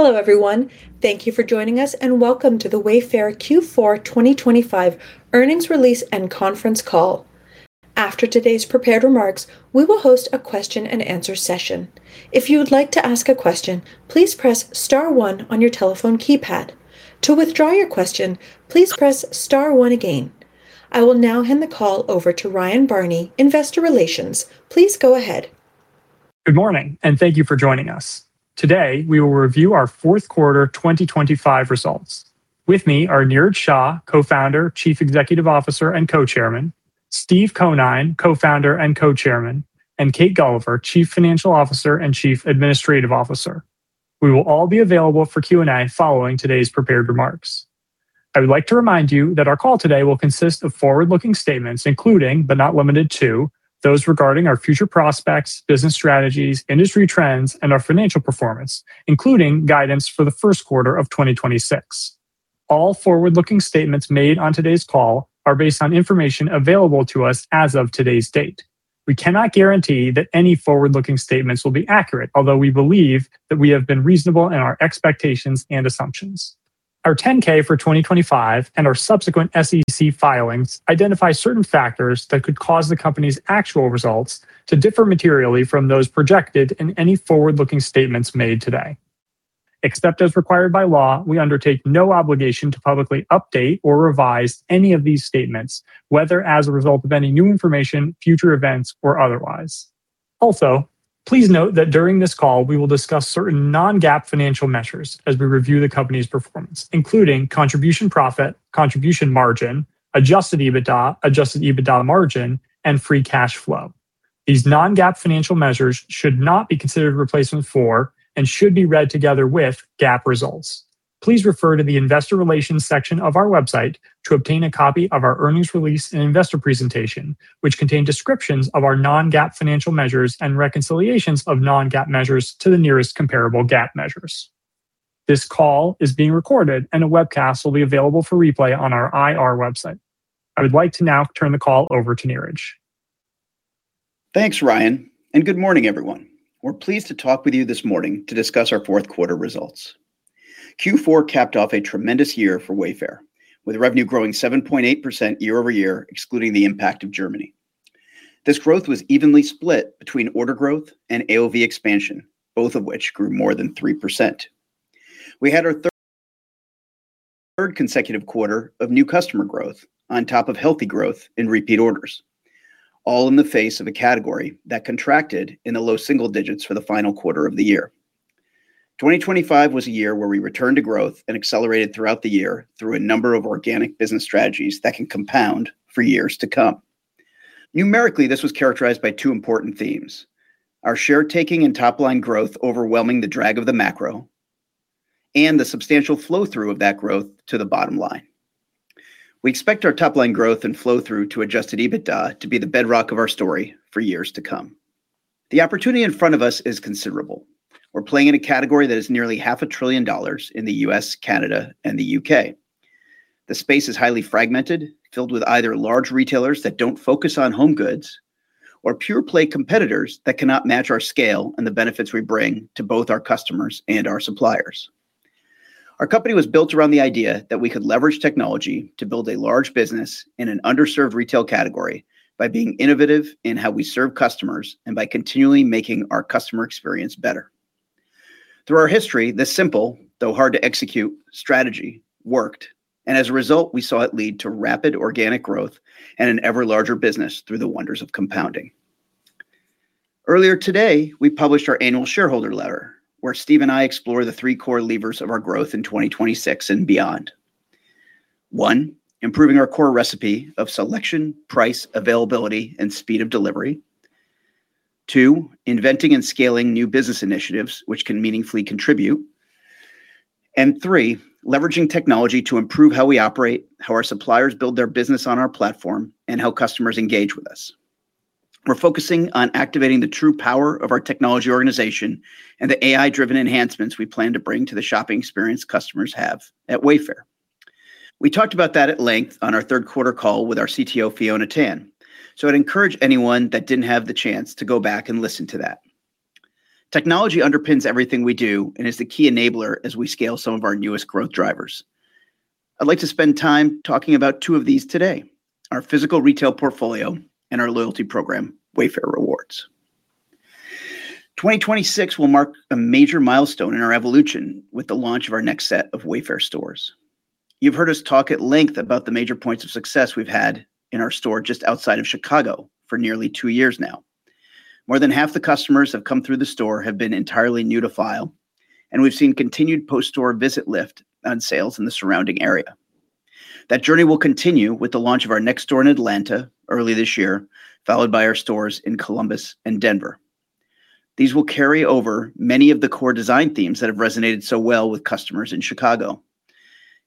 Hello, everyone. Thank you for joining us, and welcome to the Wayfair Q4 2025 earnings release and conference call. After today's prepared remarks, we will host a question and answer session. If you would like to ask a question, please press star one on your telephone keypad. To withdraw your question, please press star one again. I will now hand the call over to Ryan Barney, Investor Relations. Please go ahead. Good morning, and thank you for joining us. Today, we will review our fourth quarter 2025 results. With me are Niraj Shah, Co-founder, Chief Executive Officer, and Co-chairman, Steve Conine, Co-founder and Co-chairman, and Kate Gulliver, Chief Financial Officer and Chief Administrative Officer. We will all be available for Q&A following today's prepared remarks. I would like to remind you that our call today will consist of forward-looking statements, including, but not limited to, those regarding our future prospects, business strategies, industry trends, and our financial performance, including guidance for the first quarter of 2026. All forward-looking statements made on today's call are based on information available to us as of today's date. We cannot guarantee that any forward-looking statements will be accurate, although we believe that we have been reasonable in our expectations and assumptions. Our 10-K for 2025 and our subsequent SEC filings identify certain factors that could cause the company's actual results to differ materially from those projected in any forward-looking statements made today. Except as required by law, we undertake no obligation to publicly update or revise any of these statements, whether as a result of any new information, future events, or otherwise. Also, please note that during this call, we will discuss certain non-GAAP financial measures as we review the company's performance, including contribution profit, contribution margin, adjusted EBITDA, adjusted EBITDA margin, and free cash flow. These non-GAAP financial measures should not be considered a replacement for, and should be read together with, GAAP results. Please refer to the Investor Relations section of our website to obtain a copy of our earnings release and investor presentation, which contain descriptions of our Non-GAAP financial measures and reconciliations of Non-GAAP measures to the nearest comparable GAAP measures. This call is being recorded, and a webcast will be available for replay on our IR website. I would like to now turn the call over to Niraj. Thanks, Ryan, and good morning, everyone. We're pleased to talk with you this morning to discuss our fourth quarter results. Q4 capped off a tremendous year for Wayfair, with revenue growing 7.8% year-over-year, excluding the impact of Germany. This growth was evenly split between order growth and AOV expansion, both of which grew more than 3%. We had our third, third consecutive quarter of new customer growth on top of healthy growth in repeat orders, all in the face of a category that contracted in the low single digits for the final quarter of the year. 2025 was a year where we returned to growth and accelerated throughout the year through a number of organic business strategies that can compound for years to come. Numerically, this was characterized by two important themes: our share taking in top-line growth overwhelming the drag of the macro, and the substantial flow-through of that growth to the bottom line. We expect our top-line growth and flow-through to adjusted EBITDA to be the bedrock of our story for years to come. The opportunity in front of us is considerable. We're playing in a category that is nearly $500 billion in the U.S., Canada, and the U.K.. The space is highly fragmented, filled with either large retailers that don't focus on home goods or pure-play competitors that cannot match our scale and the benefits we bring to both our customers and our suppliers. Our company was built around the idea that we could leverage technology to build a large business in an underserved retail category by being innovative in how we serve customers and by continually making our customer experience better. Through our history, this simple, though hard to execute, strategy worked, and as a result, we saw it lead to rapid organic growth and an ever larger business through the wonders of compounding. Earlier today, we published our annual shareholder letter, where Steve and I explore the three core levers of our growth in 2026 and beyond. One, improving our core recipe of selection, price, availability, and speed of delivery. Two, inventing and scaling new business initiatives which can meaningfully contribute. And three, leveraging technology to improve how we operate, how our suppliers build their business on our platform, and how customers engage with us. We're focusing on activating the true power of our technology organization and the AI-driven enhancements we plan to bring to the shopping experience customers have at Wayfair. We talked about that at length on our third quarter call with our CTO, Fiona Tan, so I'd encourage anyone that didn't have the chance to go back and listen to that. Technology underpins everything we do and is the key enabler as we scale some of our newest growth drivers. I'd like to spend time talking about two of these today: our physical retail portfolio and our loyalty program, Wayfair Rewards. 2026 will mark a major milestone in our evolution with the launch of our next set of Wayfair stores. You've heard us talk at length about the major points of success we've had in our store just outside of Chicago for nearly two years now. More than half the customers that have come through the store have been entirely new to file, and we've seen continued post-store visit lift on sales in the surrounding area. That journey will continue with the launch of our next store in Atlanta early this year, followed by our stores in Columbus and Denver. These will carry over many of the core design themes that have resonated so well with customers in Chicago.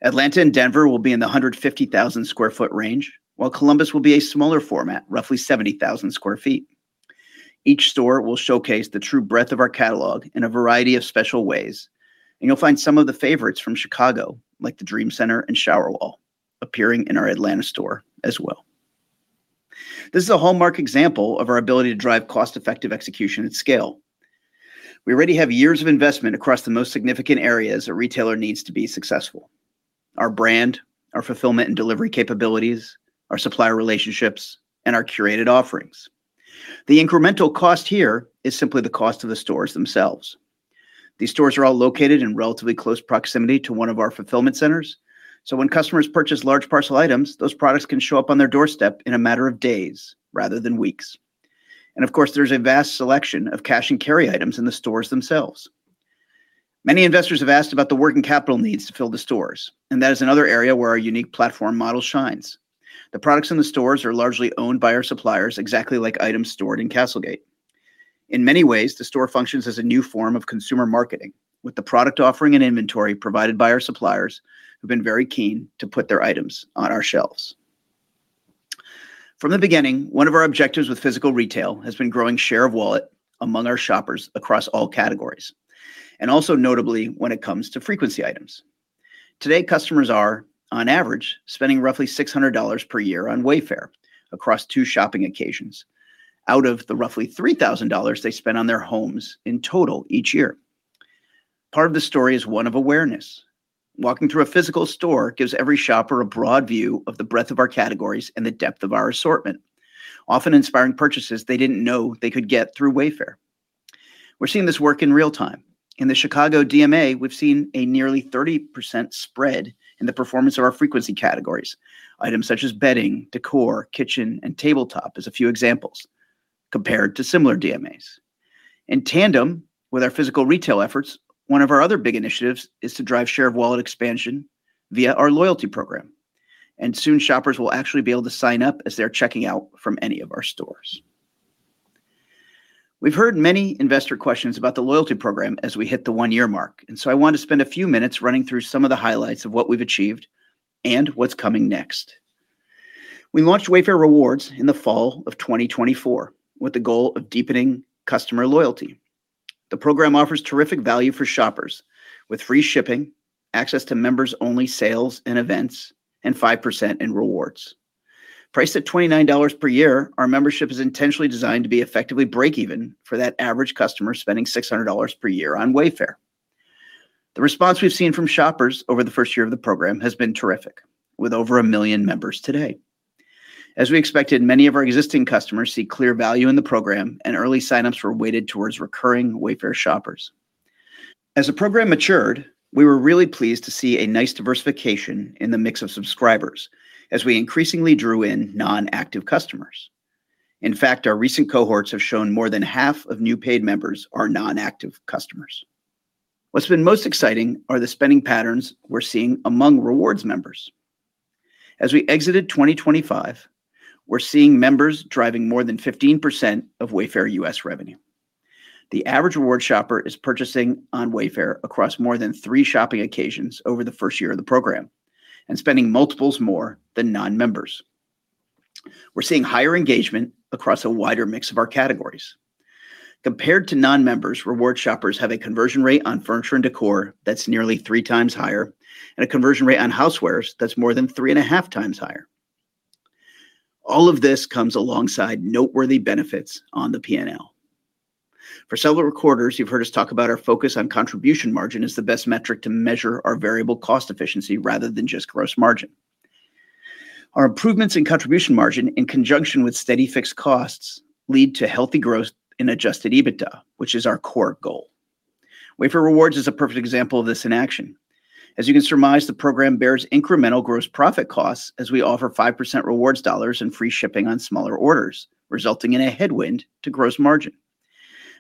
Atlanta and Denver will be in the 150,000 sq ft range, while Columbus will be a smaller format, roughly 70,000 sq ft. Each store will showcase the true breadth of our catalog in a variety of special ways, and you'll find some of the favorites from Chicago, like the Dream Center and Shower Wall, appearing in our Atlanta store as well... This is a hallmark example of our ability to drive cost-effective execution at scale. We already have years of investment across the most significant areas a retailer needs to be successful: our brand, our fulfillment and delivery capabilities, our supplier relationships, and our curated offerings. The incremental cost here is simply the cost of the stores themselves. These stores are all located in relatively close proximity to one of our fulfillment centers, so when customers purchase large parcel items, those products can show up on their doorstep in a matter of days rather than weeks. Of course, there's a vast selection of cash and carry items in the stores themselves. Many investors have asked about the working capital needs to fill the stores, and that is another area where our unique platform model shines. The products in the stores are largely owned by our suppliers, exactly like items stored in CastleGate. In many ways, the store functions as a new form of consumer marketing, with the product offering and inventory provided by our suppliers, who've been very keen to put their items on our shelves. From the beginning, one of our objectives with physical retail has been growing share of wallet among our shoppers across all categories, and also notably, when it comes to frequency items. Today, customers are, on average, spending roughly $600 per year on Wayfair across two shopping occasions, out of the roughly $3,000 they spend on their homes in total each year. Part of the story is one of awareness. Walking through a physical store gives every shopper a broad view of the breadth of our categories and the depth of our assortment, often inspiring purchases they didn't know they could get through Wayfair. We're seeing this work in real time. In the Chicago DMA, we've seen a nearly 30% spread in the performance of our frequency categories, items such as bedding, decor, kitchen, and tabletop, as a few examples, compared to similar DMAs. In tandem with our physical retail efforts, one of our other big initiatives is to drive share of wallet expansion via our loyalty program, and soon shoppers will actually be able to sign up as they're checking out from any of our stores. We've heard many investor questions about the loyalty program as we hit the one-year mark, and so I want to spend a few minutes running through some of the highlights of what we've achieved and what's coming next. We launched Wayfair Rewards in the fall of 2024 with the goal of deepening customer loyalty. The program offers terrific value for shoppers, with free shipping, access to members-only sales and events, and 5% in rewards. Priced at $29 per year, our membership is intentionally designed to be effectively break even for that average customer spending $600 per year on Wayfair. The response we've seen from shoppers over the first year of the program has been terrific, with over 1 million members today. As we expected, many of our existing customers see clear value in the program, and early sign-ups were weighted towards recurring Wayfair shoppers. As the program matured, we were really pleased to see a nice diversification in the mix of subscribers as we increasingly drew in non-active customers. In fact, our recent cohorts have shown more than half of new paid members are non-active customers. What's been most exciting are the spending patterns we're seeing among Rewards members. As we exited 2025, we're seeing members driving more than 15% of Wayfair U.S. revenue. The average Rewards shopper is purchasing on Wayfair across more than three shopping occasions over the first year of the program, and spending multiples more than non-members. We're seeing higher engagement across a wider mix of our categories. Compared to non-members, Rewards shoppers have a conversion rate on furniture and decor that's nearly 3x higher, and a conversion rate on housewares that's more than 3.5x higher. All of this comes alongside noteworthy benefits on the P&L. For several quarters, you've heard us talk about our focus on Contribution Margin as the best metric to measure our variable cost efficiency, rather than just gross margin. Our improvements in Contribution Margin, in conjunction with steady fixed costs, lead to healthy growth in Adjusted EBITDA, which is our core goal. Wayfair Rewards is a perfect example of this in action. As you can surmise, the program bears incremental gross profit costs as we offer 5% rewards dollars and free shipping on smaller orders, resulting in a headwind to gross margin.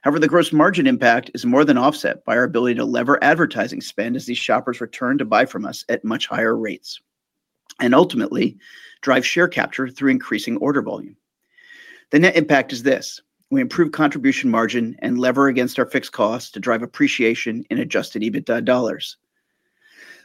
However, the gross margin impact is more than offset by our ability to lever advertising spend as these shoppers return to buy from us at much higher rates, and ultimately drive share capture through increasing order volume. The net impact is this: We improve contribution margin and lever against our fixed costs to drive appreciation in Adjusted EBITDA dollars.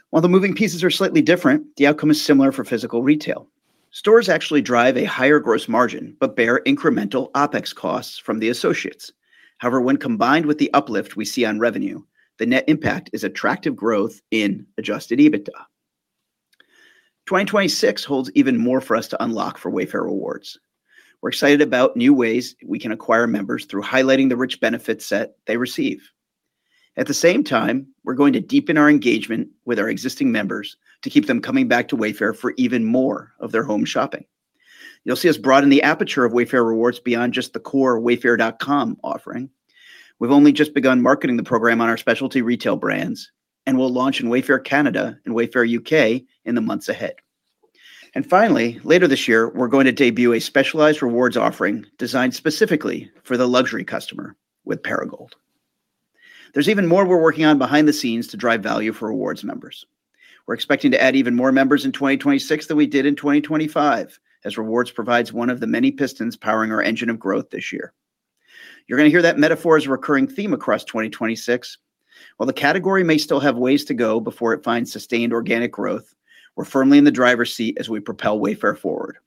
While the moving pieces are slightly different, the outcome is similar for physical retail. Stores actually drive a higher gross margin, but bear incremental OpEx costs from the associates. However, when combined with the uplift we see on revenue, the net impact is attractive growth in Adjusted EBITDA. 2026 holds even more for us to unlock for Wayfair Rewards. We're excited about new ways we can acquire members through highlighting the rich benefit set they receive. At the same time, we're going to deepen our engagement with our existing members to keep them coming back to Wayfair for even more of their home shopping. You'll see us broaden the aperture of Wayfair Rewards beyond just the core wayfair.com offering. We've only just begun marketing the program on our specialty retail brands, and we'll launch in Wayfair Canada and Wayfair U.K. in the months ahead. And finally, later this year, we're going to debut a specialized rewards offering designed specifically for the luxury customer with Perigold. There's even more we're working on behind the scenes to drive value for Rewards members. We're expecting to add even more members in 2026 than we did in 2025, as Rewards provides one of the many pistons powering our engine of growth this year. You're going to hear that metaphor as a recurring theme across 2026. While the category may still have ways to go before it finds sustained organic growth, we're firmly in the driver's seat as we propel Wayfair forward.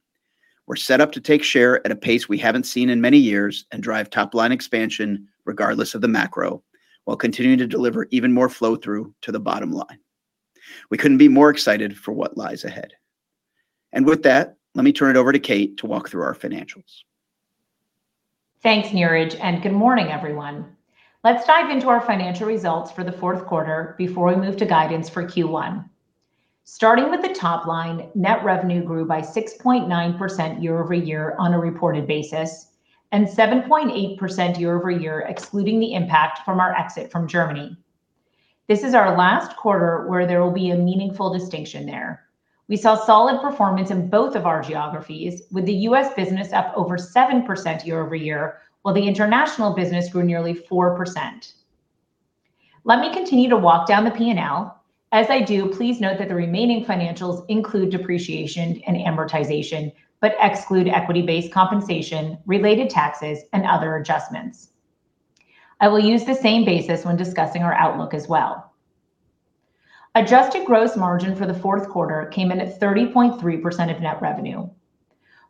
We're set up to take share at a pace we haven't seen in many years and drive top-line expansion regardless of the macro, while continuing to deliver even more flow-through to the bottom line. We couldn't be more excited for what lies ahead. With that, let me turn it over to Kate to walk through our financials. Thanks, Niraj, and good morning, everyone. Let's dive into our financial results for the fourth quarter before we move to guidance for Q1. Starting with the top line, net revenue grew by 6.9% year-over-year on a reported basis, and 7.8% year-over-year, excluding the impact from our exit from Germany. This is our last quarter where there will be a meaningful distinction there. We saw solid performance in both of our geographies, with the U.S. business up over 7% year-over-year, while the international business grew nearly 4%. Let me continue to walk down the P&L. As I do, please note that the remaining financials include depreciation and amortization, but exclude equity-based compensation, related taxes, and other adjustments. I will use the same basis when discussing our outlook as well. Adjusted gross margin for the fourth quarter came in at 30.3% of net revenue.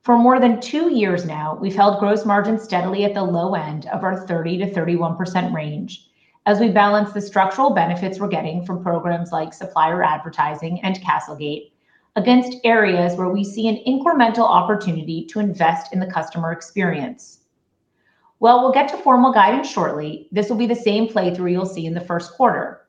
For more than two years now, we've held gross margin steadily at the low end of our 30%-31% range as we balance the structural benefits we're getting from programs like Supplier Advertising and CastleGate against areas where we see an incremental opportunity to invest in the customer experience. Well, we'll get to formal guidance shortly. This will be the same play through you'll see in the first quarter.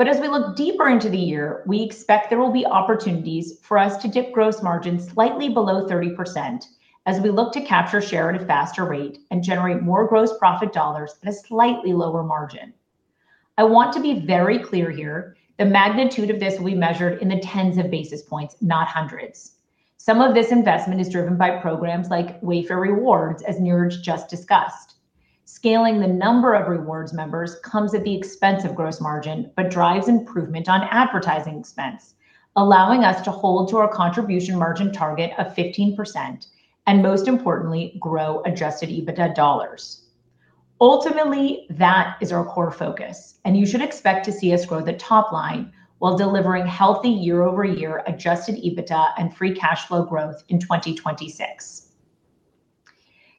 But as we look deeper into the year, we expect there will be opportunities for us to dip gross margin slightly below 30% as we look to capture share at a faster rate and generate more gross profit dollars at a slightly lower margin. I want to be very clear here, the magnitude of this will be measured in the tens of basis points, not hundreds. Some of this investment is driven by programs like Wayfair Rewards, as Niraj just discussed. Scaling the number of rewards members comes at the expense of gross margin, but drives improvement on advertising expense, allowing us to hold to our contribution margin target of 15%, and most importantly, grow adjusted EBITDA dollars. Ultimately, that is our core focus, and you should expect to see us grow the top line while delivering healthy year-over-year adjusted EBITDA and free cash flow growth in 2026.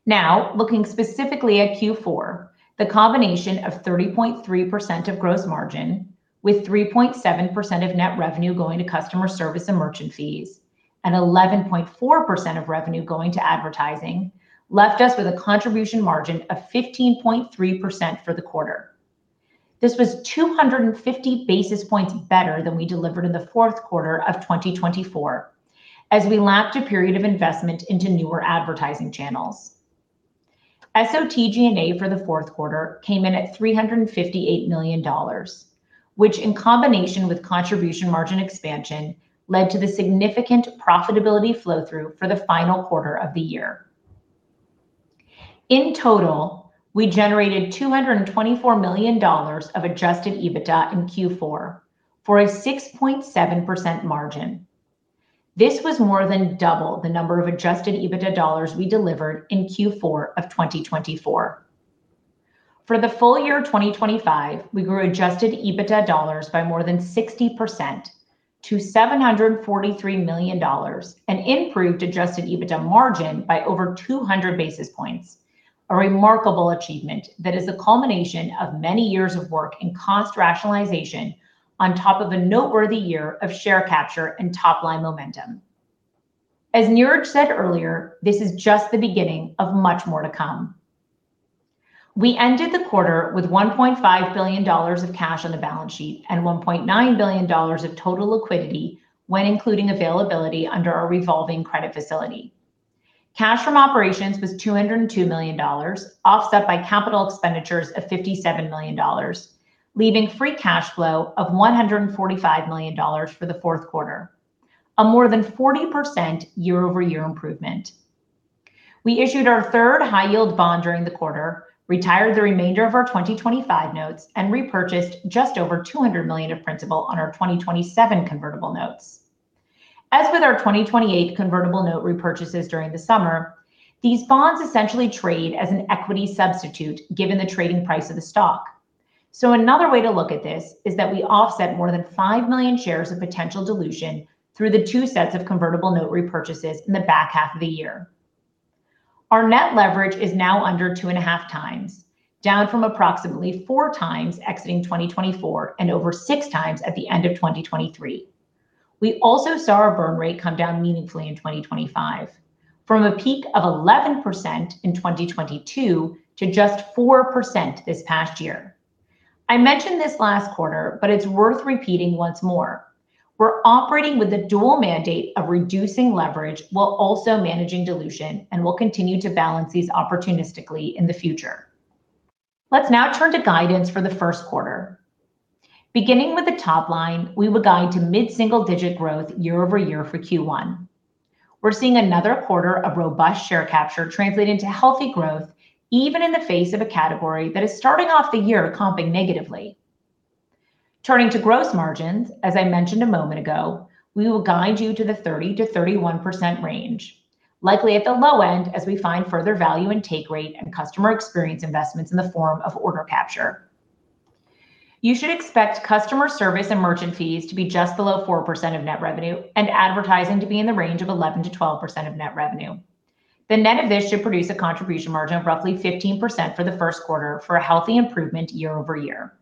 Now, looking specifically at Q4, the combination of 30.3% of gross margin with 3.7% of net revenue going to customer service and merchant fees, and 11.4% of revenue going to advertising, left us with a contribution margin of 15.3% for the quarter. This was 250 basis points better than we delivered in the fourth quarter of 2024, as we lapped a period of investment into newer advertising channels. SOT G&A for the fourth quarter came in at $358 million, which, in combination with contribution margin expansion, led to the significant profitability flow-through for the final quarter of the year. In total, we generated $224 million of adjusted EBITDA in Q4 for a 6.7% margin. This was more than double the number of Adjusted EBITDA dollars we delivered in Q4 of 2024. For the full year of 2025, we grew Adjusted EBITDA dollars by more than 60% to $743 million and improved Adjusted EBITDA margin by over 200 basis points, a remarkable achievement that is the culmination of many years of work in cost rationalization on top of a noteworthy year of share capture and top-line momentum. As Niraj said earlier, this is just the beginning of much more to come. We ended the quarter with $1.5 billion of cash on the balance sheet and $1.9 billion of total liquidity when including availability under our revolving credit facility. Cash from operations was $202 million, offset by capital expenditures of $57 million, leaving free cash flow of $145 million for the fourth quarter, a more than 40% year-over-year improvement. We issued our third high yield bond during the quarter, retired the remainder of our 2025 notes, and repurchased just over $200 million of principal on our 2027 convertible notes. As with our 2028 convertible note repurchases during the summer, these bonds essentially trade as an equity substitute given the trading price of the stock. So another way to look at this is that we offset more than five million shares of potential dilution through the two sets of convertible note repurchases in the back half of the year. Our net leverage is now under 2.5x, down from approximately 4x exiting 2024 and over 6x at the end of 2023. We also saw our burn rate come down meaningfully in 2025, from a peak of 11% in 2022 to just 4% this past year. I mentioned this last quarter, but it's worth repeating once more. We're operating with a dual mandate of reducing leverage while also managing dilution, and we'll continue to balance these opportunistically in the future. Let's now turn to guidance for the first quarter. Beginning with the top line, we will guide to mid-single-digit growth year-over-year for Q1. We're seeing another quarter of robust share capture translate into healthy growth, even in the face of a category that is starting off the year comping negatively. Turning to gross margins, as I mentioned a moment ago, we will guide you to the 30%-31% range, likely at the low end, as we find further value in take rate and customer experience investments in the form of order capture. You should expect customer service and merchant fees to be just below 4% of net revenue and advertising to be in the range of 11%-12% of net revenue. The net of this should produce a contribution margin of roughly 15% for the first quarter for a healthy improvement year over year.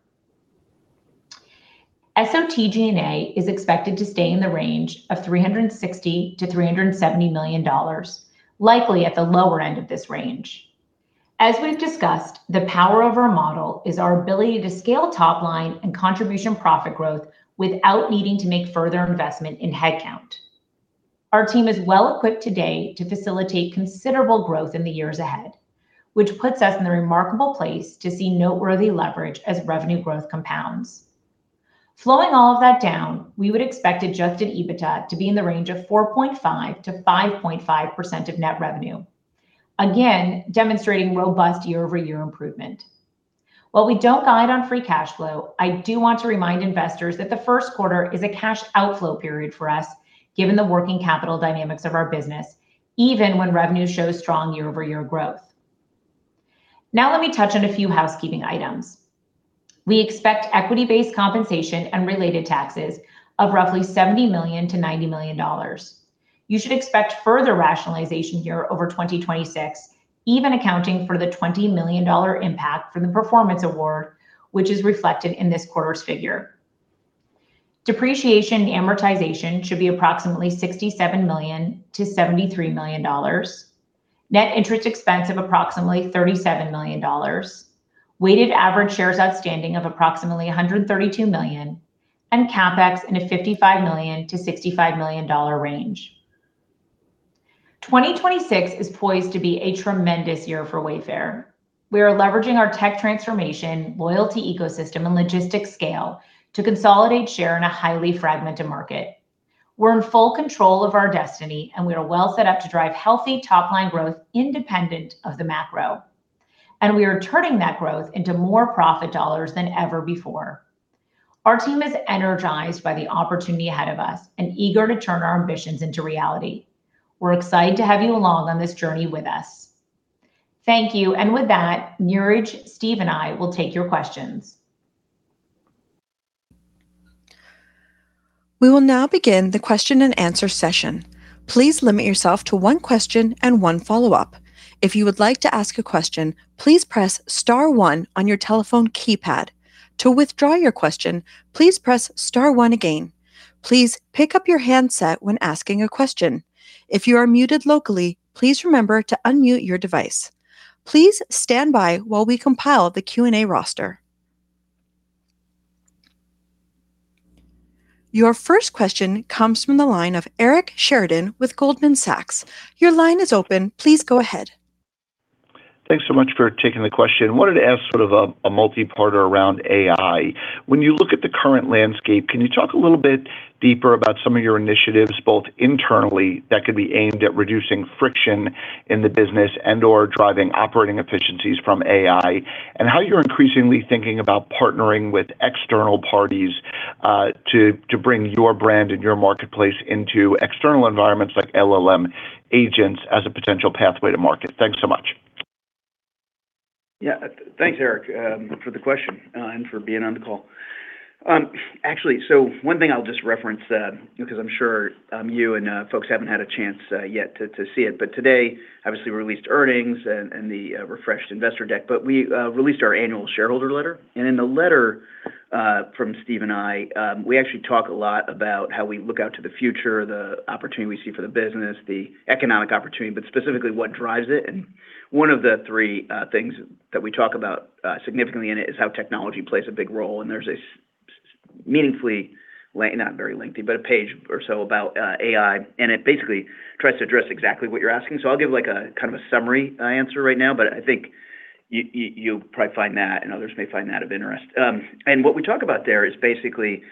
SOT G&A is expected to stay in the range of $360 million-$370 million, likely at the lower end of this range. As we've discussed, the power of our model is our ability to scale top line and Contribution Profit growth without needing to make further investment in headcount. Our team is well equipped today to facilitate considerable growth in the years ahead, which puts us in the remarkable place to see noteworthy leverage as revenue growth compounds. Flowing all of that down, we would expect Adjusted EBITDA to be in the range of 4.5%-5.5% of net revenue, again, demonstrating robust year-over-year improvement. While we don't guide on Free Cash Flow, I do want to remind investors that the first quarter is a cash outflow period for us, given the working capital dynamics of our business, even when revenue shows strong year-over-year growth. Now, let me touch on a few housekeeping items. We expect equity-based compensation and related taxes of roughly $70 million-$90 million. You should expect further rationalization here over 2026, even accounting for the $20 million impact from the performance award, which is reflected in this quarter's figure. Depreciation and amortization should be approximately $67 million-$73 million. Net interest expense of approximately $37 million. Weighted average shares outstanding of approximately 132 million, and CapEx in a $55 million-$65 million range. 2026 is poised to be a tremendous year for Wayfair. We are leveraging our tech transformation, loyalty ecosystem, and logistics scale to consolidate share in a highly fragmented market. We're in full control of our destiny, and we are well set up to drive healthy top-line growth independent of the macro, and we are turning that growth into more profit dollars than ever before. Our team is energized by the opportunity ahead of us and eager to turn our ambitions into reality. We're excited to have you along on this journey with us. Thank you. With that, Niraj, Steve, and I will take your questions. We will now begin the question and answer session. Please limit yourself to one question and one follow-up. If you would like to ask a question, please press star one on your telephone keypad. To withdraw your question, please press star one again. Please pick up your handset when asking a question. If you are muted locally, please remember to unmute your device. Please stand by while we compile the Q&A roster. Your first question comes from the line of Eric Sheridan with Goldman Sachs. Your line is open. Please go ahead. Thanks so much for taking the question. Wanted to ask sort of a multipart around AI. When you look at the current landscape, can you talk a little bit deeper about some of your initiatives, both internally, that could be aimed at reducing friction in the business and/or driving operating efficiencies from AI, and how you're increasingly thinking about partnering with external parties to bring your brand and your marketplace into external environments like LLM agents as a potential pathway to market? Thanks so much. Yeah. Thanks, Eric, for the question, and for being on the call. Actually, so one thing I'll just reference, because I'm sure you and folks haven't had a chance yet to see it, but today, obviously, we released earnings and the refreshed investor deck, but we released our annual shareholder letter. And in the letter, from Steve and I, we actually talk a lot about how we look out to the future, the opportunity we see for the business, the economic opportunity, but specifically what drives it. And one of the three things that we talk about significantly in it is how technology plays a big role, and there's not very lengthy, but a page or so about AI, and it basically tries to address exactly what you're asking. So I'll give, like, a kind of a summary answer right now, but I think you you'll probably find that and others may find that of interest. And what we talk about there is basically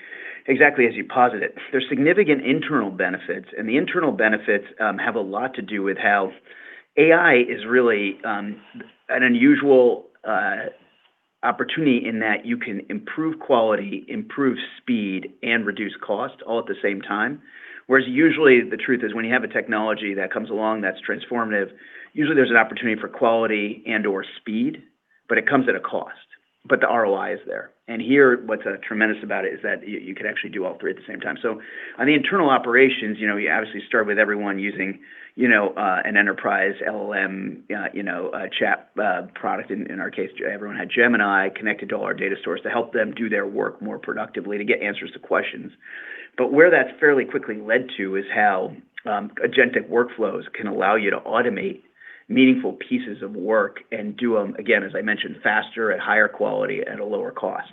exactly as you posit it. There's significant internal benefits, and the internal benefits have a lot to do with how AI is really an unusual opportunity in that you can improve quality, improve speed, and reduce cost all at the same time. Whereas usually the truth is when you have a technology that comes along that's transformative, usually there's an opportunity for quality and/or speed, but it comes at a cost, but the ROI is there. And here, what's tremendous about it is that you can actually do all three at the same time. So on the internal operations, you know, we obviously start with everyone using, you know, an enterprise LLM, chat product. In our case, everyone had Gemini connected to all our data source to help them do their work more productively, to get answers to questions. But where that's fairly quickly led to is how agentic workflows can allow you to automate meaningful pieces of work and do them, again, as I mentioned, faster, at higher quality, at a lower cost.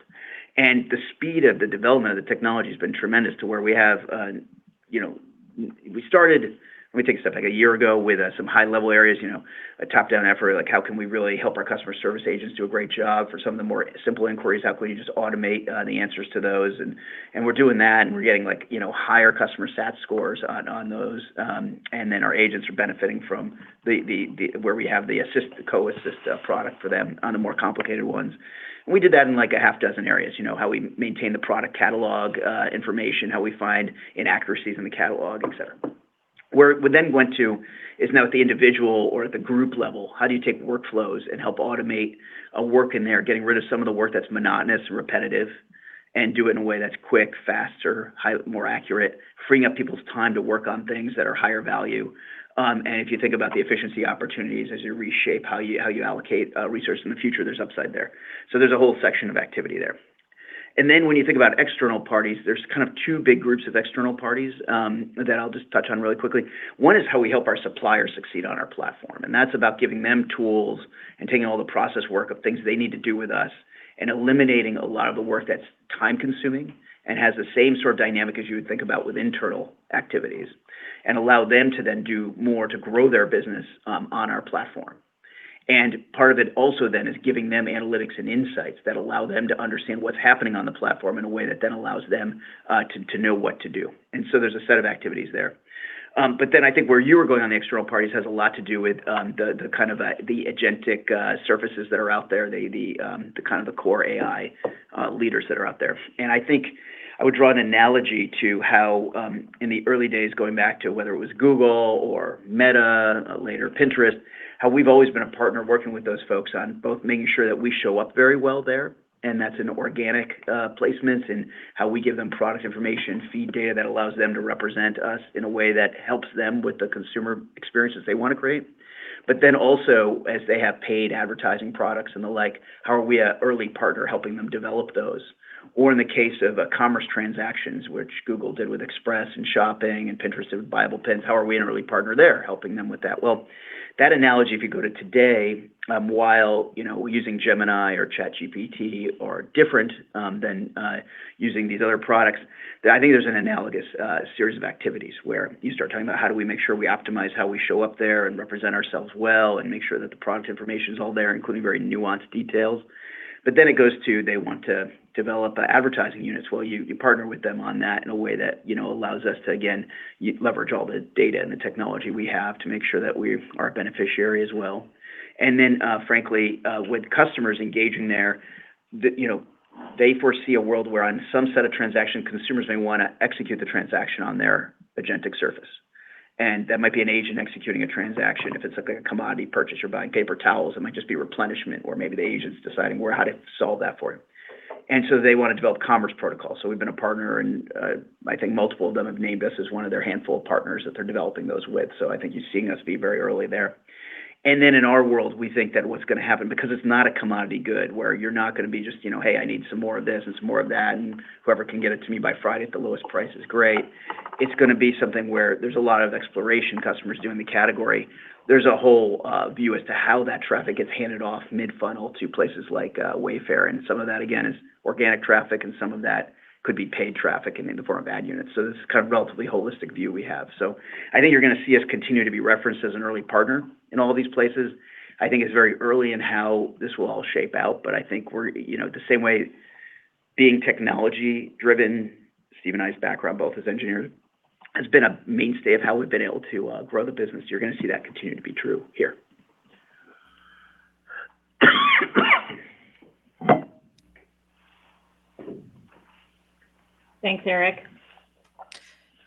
And the speed of the development of the technology has been tremendous to where we have, you know, we started, let me take a step, like a year ago, with some high-level areas, you know, a top-down effort, like, how can we really help our customer service agents do a great job for some of the more simple inquiries? How can we just automate the answers to those? And we're doing that, and we're getting, like, you know, higher customer stat scores on those. And then our agents are benefiting from the where we have the assist, co-assist product for them on the more complicated ones. We did that in, like, a half dozen areas, you know, how we maintain the product catalog information, how we find inaccuracies in the catalog, et cetera. Where we then went to is now at the individual or at the group level, how do you take workflows and help automate a work in there, getting rid of some of the work that's monotonous and repetitive?... and do it in a way that's quick, faster, more accurate, freeing up people's time to work on things that are higher value. And if you think about the efficiency opportunities as you reshape how you, how you allocate, resource in the future, there's upside there. So there's a whole section of activity there. And then when you think about external parties, there's kind of two big groups of external parties, that I'll just touch on really quickly. One is how we help our suppliers succeed on our platform, and that's about giving them tools and taking all the process work of things they need to do with us, and eliminating a lot of the work that's time-consuming and has the same sort of dynamic as you would think about with internal activities, and allow them to then do more to grow their business, on our platform. Part of it also then is giving them analytics and insights that allow them to understand what's happening on the platform in a way that then allows them to know what to do. So there's a set of activities there. But then I think where you were going on the external parties has a lot to do with the kind of agentic surfaces that are out there, the kind of core AI leaders that are out there. And I think I would draw an analogy to how, in the early days, going back to whether it was Google or Meta, later Pinterest, how we've always been a partner working with those folks on both making sure that we show up very well there, and that's in organic, placements, and how we give them product information, feed data that allows them to represent us in a way that helps them with the consumer experiences they want to create. But then also, as they have paid advertising products and the like, how are we an early partner helping them develop those? Or in the case of commerce transactions, which Google did with Express and Shopping, and Pinterest did with Buyable Pins, how are we an early partner there, helping them with that? Well, that analogy, if you go to today, while, you know, using Gemini or ChatGPT, are different than using these other products, I think there's an analogous series of activities where you start talking about how do we make sure we optimize how we show up there and represent ourselves well, and make sure that the product information is all there, including very nuanced details. But then it goes to, they want to develop advertising units. Well, you partner with them on that in a way that, you know, allows us to, again, leverage all the data and the technology we have to make sure that we are a beneficiary as well. And then, frankly, with customers engaging there, the, you know, they foresee a world where on some set of transactions, consumers may wanna execute the transaction on their agentic surface. And that might be an agent executing a transaction. If it's like a commodity purchase, you're buying paper towels, it might just be replenishment, or maybe the agent's deciding where how to solve that for you. And so they want to develop commerce protocols. So we've been a partner, and, I think multiple of them have named us as one of their handful of partners that they're developing those with. So I think you're seeing us be very early there. And then in our world, we think that what's gonna happen, because it's not a commodity good, where you're not gonna be just, you know, "Hey, I need some more of this and some more of that, and whoever can get it to me by Friday at the lowest price is great." It's gonna be something where there's a lot of exploration customers do in the category. There's a whole view as to how that traffic gets handed off mid-funnel to places like Wayfair, and some of that, again, is organic traffic, and some of that could be paid traffic and in the form of ad units. So this is kind of relatively holistic view we have. So I think you're gonna see us continue to be referenced as an early partner in all of these places. I think it's very early in how this will all shape out, but I think we're... You know, the same way being technology-driven, Steve and I's background, both as engineers, has been a mainstay of how we've been able to grow the business. You're gonna see that continue to be true here. Thanks, Eric.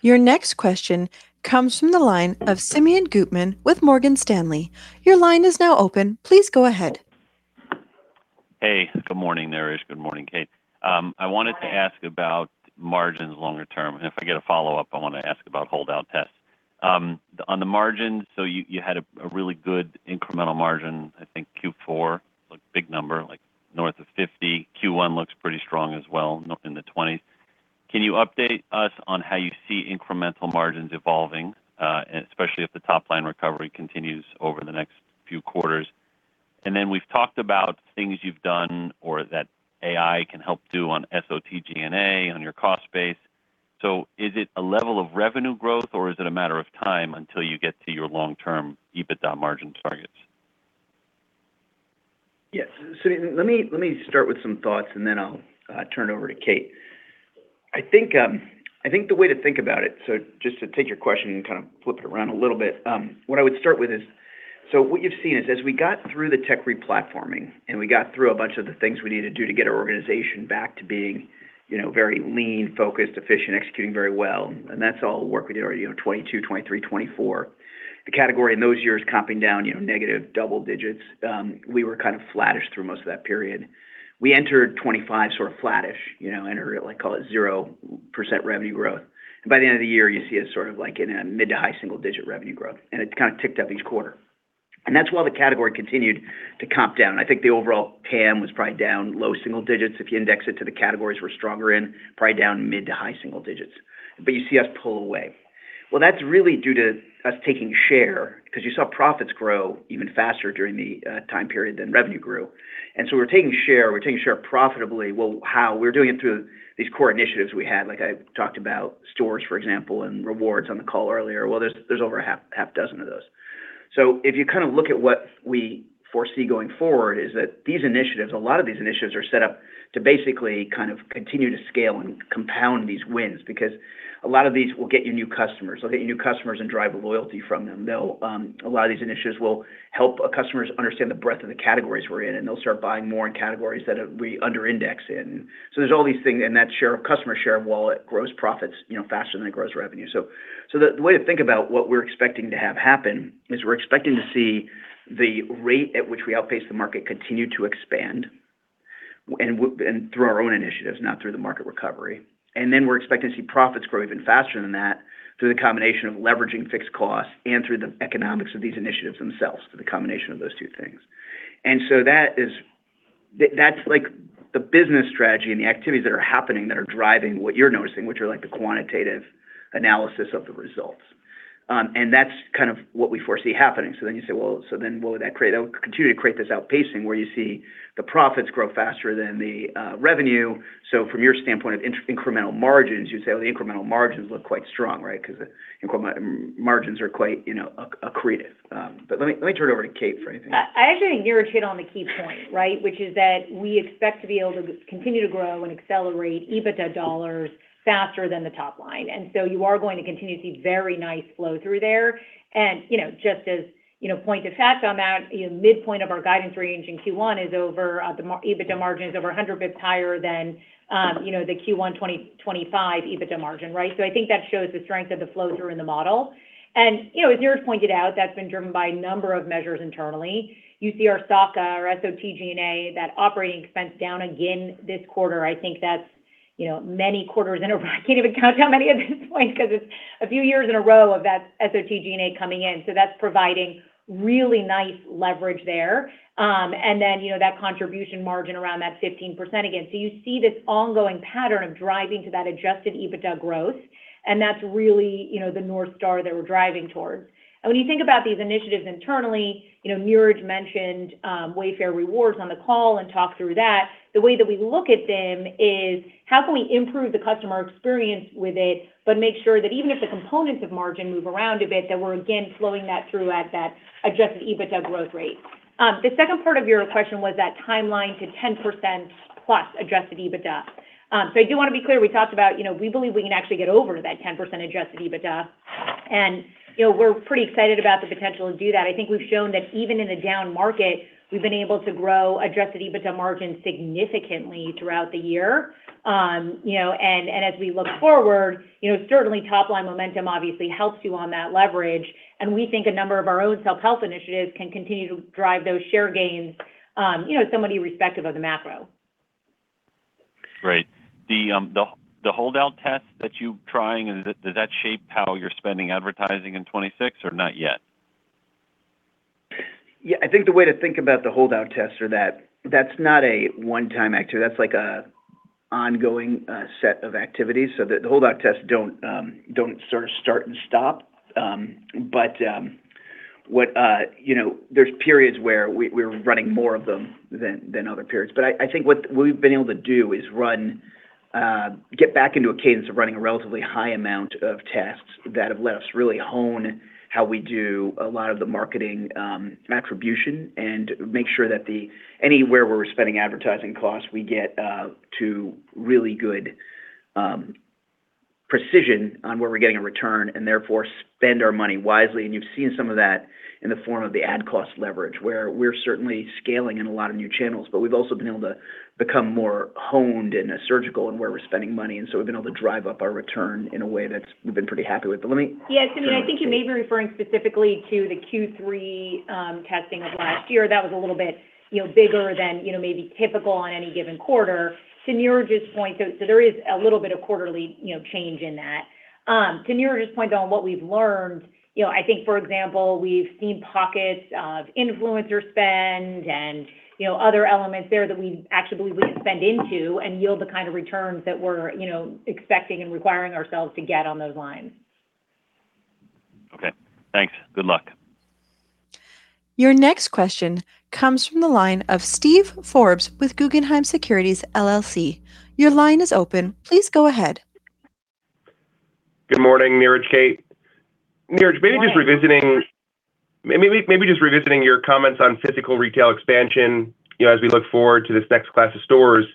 Your next question comes from the line of Simeon Gutman with Morgan Stanley. Your line is now open. Please go ahead. Hey, good morning, Niraj. Good morning, Kate. I wanted to ask about margins longer term, and if I get a follow-up, I want to ask about holdout tests. On the margin, so you had a really good incremental margin. I think Q4, like big number, like north of 50. Q1 looks pretty strong as well, in the 20s. Can you update us on how you see incremental margins evolving, especially if the top-line recovery continues over the next few quarters? And then we've talked about things you've done or that AI can help do on SOT G&A, on your cost base. So is it a level of revenue growth, or is it a matter of time until you get to your long-term EBITDA margin targets? Yes. So let me, let me start with some thoughts, and then I'll turn it over to Kate. I think the way to think about it, so just to take your question and kind of flip it around a little bit, what I would start with is... So what you've seen is as we got through the tech replatforming, and we got through a bunch of the things we needed to do to get our organization back to being, you know, very lean, focused, efficient, executing very well, and that's all work we did already, you know, 2022, 2023, 2024. The category in those years, comping down, you know, negative double digits, we were kind of flattish through most of that period. We entered 2025 sort of flattish, you know, entered it, like, call it 0% revenue growth. By the end of the year, you see us sort of, like, in a mid- to high-single-digit revenue growth, and it kind of ticked up each quarter. And that's while the category continued to comp down. I think the overall TAM was probably down low-single-digits. If you index it to the categories were stronger in, probably down mid- to high-single-digits. But you see us pull away. Well, that's really due to us taking share, 'cause you saw profits grow even faster during the time period than revenue grew. And so we're taking share, we're taking share profitably. Well, how? We're doing it through these core initiatives we had, like I talked about stores, for example, and rewards on the call earlier. Well, there's over a half dozen of those. So if you kind of look at what we foresee going forward, is that these initiatives, a lot of these initiatives are set up to basically kind of continue to scale and compound these wins, because a lot of these will get you new customers. They'll get you new customers and drive loyalty from them. They'll, a lot of these initiatives will help our customers understand the breadth of the categories we're in, and they'll start buying more in categories that, we under index in. So there's all these things, and that share of customer share of wallet grows profits, you know, faster than it grows revenue. So, so the, the way to think about what we're expecting to have happen is we're expecting to see-... The rate at which we outpace the market continue to expand, and through our own initiatives, not through the market recovery. And then we're expecting to see profits grow even faster than that through the combination of leveraging fixed costs and through the economics of these initiatives themselves, through the combination of those two things. And so that's like the business strategy and the activities that are happening that are driving what you're noticing, which are like the quantitative analysis of the results. And that's kind of what we foresee happening. So then you say, well, so then will that create-- that will continue to create this outpacing, where you see the profits grow faster than the revenue. So from your standpoint of incremental margins, you'd say, "Well, the incremental margins look quite strong," right? Because the incremental margins are quite, you know, accretive. But let me turn it over to Kate for anything. I actually think Niraj hit on the key point, right? Which is that we expect to be able to continue to grow and accelerate EBITDA dollars faster than the top line. And so you are going to continue to see very nice flow through there. And, you know, just as, you know, point of fact on that, you know, midpoint of our guidance range in Q1 is over 100 basis points higher than, you know, the Q1 2025 EBITDA margin, right? So I think that shows the strength of the flow through in the model. And, you know, as Niraj pointed out, that's been driven by a number of measures internally. You see our SOT G&A, that operating expense down again this quarter. I think that's, you know, many quarters in a row. I can't even count how many at this point, because it's a few years in a row of that SOT G&A coming in. So that's providing really nice leverage there. And then, you know, that contribution margin around that 15% again. So you see this ongoing pattern of driving to that Adjusted EBITDA growth, and that's really, you know, the North Star that we're driving towards. And when you think about these initiatives internally, you know, Niraj mentioned Wayfair Rewards on the call and talked through that. The way that we look at them is: how can we improve the customer experience with it, but make sure that even if the components of margin move around a bit, that we're again flowing that through at that Adjusted EBITDA growth rate? The second part of your question was that timeline to 10% plus Adjusted EBITDA. So I do want to be clear, we talked about, you know, we believe we can actually get over that 10% Adjusted EBITDA, and, you know, we're pretty excited about the potential to do that. I think we've shown that even in a down market, we've been able to grow, Adjusted EBITDA margin significantly throughout the year. You know, and, and as we look forward, you know, certainly top line momentum obviously helps you on that leverage, and we think a number of our own self-health initiatives can continue to drive those share gains, you know, somewhat irrespective of the macro. Great. The holdout test that you're trying, does that shape how you're spending advertising in 2026 or not yet? Yeah, I think the way to think about the holdout test or that, that's not a one-time activity. That's like a ongoing set of activities. So the holdout tests don't don't sort of start and stop. You know, there's periods where we're running more of them than other periods. But I think what we've been able to do is get back into a cadence of running a relatively high amount of tests that have let us really hone how we do a lot of the marketing attribution, and make sure that, anywhere where we're spending advertising costs, we get to really good precision on where we're getting a return, and therefore, spend our money wisely. You've seen some of that in the form of the ad cost leverage, where we're certainly scaling in a lot of new channels, but we've also been able to become more honed and surgical in where we're spending money. So we've been able to drive up our return in a way that's, we've been pretty happy with. Let me- Yeah, so I think you may be referring specifically to the Q3 testing of last year. That was a little bit, you know, bigger than, you know, maybe typical on any given quarter. So Niraj's point, so, so there is a little bit of quarterly, you know, change in that. So Niraj just pointed on what we've learned. You know, I think, for example, we've seen pockets of influencer spend and, you know, other elements there that we actually believe we can spend into and yield the kind of returns that we're, you know, expecting and requiring ourselves to get on those lines. Okay, thanks. Good luck. Your next question comes from the line of Steve Forbes with Guggenheim Securities LLC. Your line is open. Please go ahead. Good morning, Niraj, Kate. Niraj- Good morning. Maybe just revisiting your comments on physical retail expansion, you know, as we look forward to this next class of stores,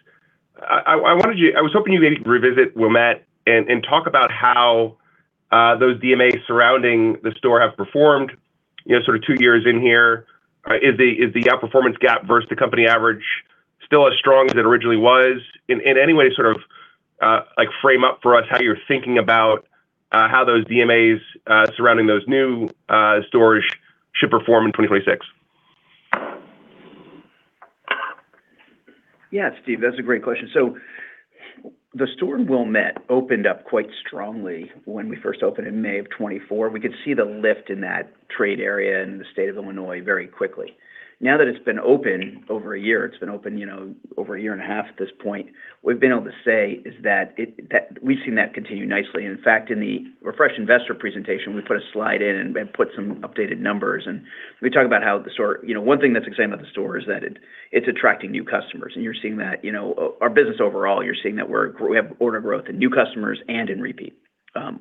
I was hoping you maybe could revisit Wilmette and talk about how those DMAs surrounding the store have performed, you know, sort of two years in here. Is the outperformance gap versus the company average still as strong as it originally was? In any way, sort of, like, frame up for us how you're thinking about how those DMAs surrounding those new stores should perform in 2026. Yeah, Steve, that's a great question. So the store in Wilmette opened up quite strongly when we first opened in May of 2024. We could see the lift in that trade area in the state of Illinois very quickly. Now that it's been open over a year, it's been open, you know, over a year and a half at this point, we've been able to say is that it, that we've seen that continue nicely. In fact, in the refresh investor presentation, we put a slide in and, and put some updated numbers, and we talked about how the store. You know, one thing that's exciting about the store is that it, it's attracting new customers, and you're seeing that. You know, our business overall, you're seeing that we're, we have order growth in new customers and in repeat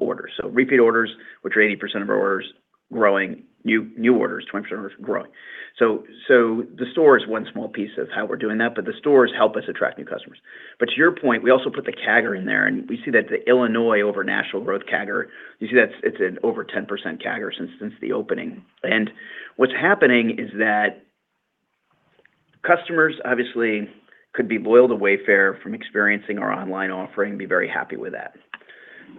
orders. So repeat orders, which are 80% of our orders, growing new orders, 20% is growing. So the store is one small piece of how we're doing that, but the stores help us attract new customers. But to your point, we also put the CAGR in there, and we see that the Illinois over national growth CAGR, you see that it's over 10% CAGR since the opening. And what's happening is that customers obviously could be loyal to Wayfair from experiencing our online offering and be very happy with that.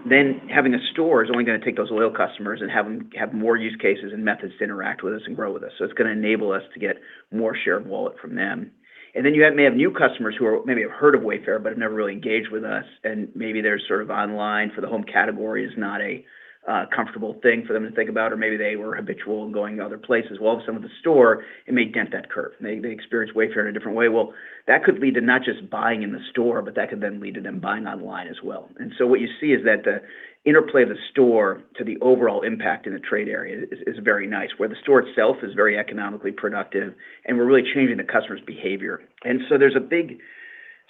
Then having a store is only going to take those loyal customers and have them have more use cases and methods to interact with us and grow with us. So it's going to enable us to get more share of wallet from them. And then you may have new customers who are maybe have heard of Wayfair, but have never really engaged with us, and maybe they're sort of online for the home category is not a comfortable thing for them to think about, or maybe they were habitual in going to other places. Well, if some of the store, it may dent that curve. They experience Wayfair in a different way. Well, that could lead to not just buying in the store, but that could then lead to them buying online as well. And so what you see is that the interplay of the store to the overall impact in the trade area is very nice, where the store itself is very economically productive, and we're really changing the customer's behavior. And so there's a big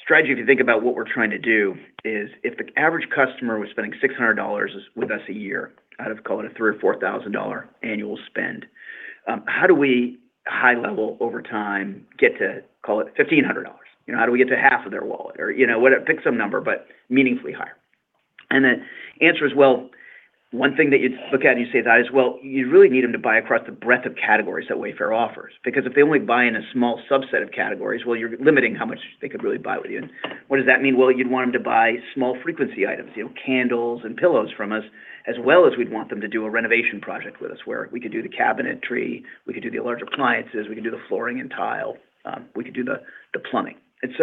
strategy, if you think about what we're trying to do, is if the average customer was spending $600 with us a year, out of, call it a $3,000-$4,000 annual spend, how do we high level over time, get to, call it $1,500? You know, how do we get to half of their wallet? Or, you know what, pick some number, but meaningfully higher. And the answer is, well, one thing that you look at and you say that is, well, you really need them to buy across the breadth of categories that Wayfair offers, because if they only buy in a small subset of categories, well, you're limiting how much they could really buy with you. What does that mean? Well, you'd want them to buy small frequency items, you know, candles and pillows from us, as well as we'd want them to do a renovation project with us, where we could do the cabinetry, we could do the large appliances, we can do the flooring and tile, we could do the, the plumbing. And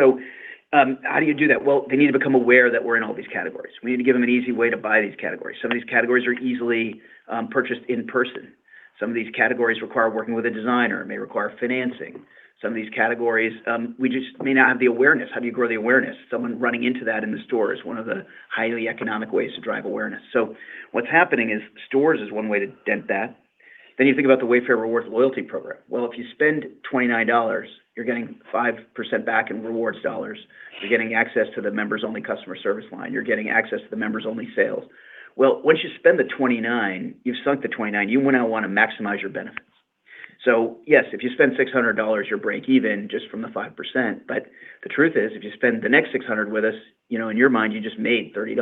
so, how do you do that? Well, they need to become aware that we're in all these categories. We need to give them an easy way to buy these categories. Some of these categories are easily purchased in person. Some of these categories require working with a designer, may require financing. Some of these categories, we just may not have the awareness. How do you grow the awareness? Someone running into that in the store is one of the highly economic ways to drive awareness. So what's happening is stores is one way to dent that. Then you think about the Wayfair Rewards loyalty program. Well, if you spend $29, you're getting 5% back in rewards dollars. You're getting access to the members-only customer service line. You're getting access to the members-only sales. Well, once you spend the $29, you've sunk the $29, you want to maximize your benefits. So yes, if you spend $600, you break even just from the 5%. But the truth is, if you spend the next $600 with us, you know, in your mind, you just made $30.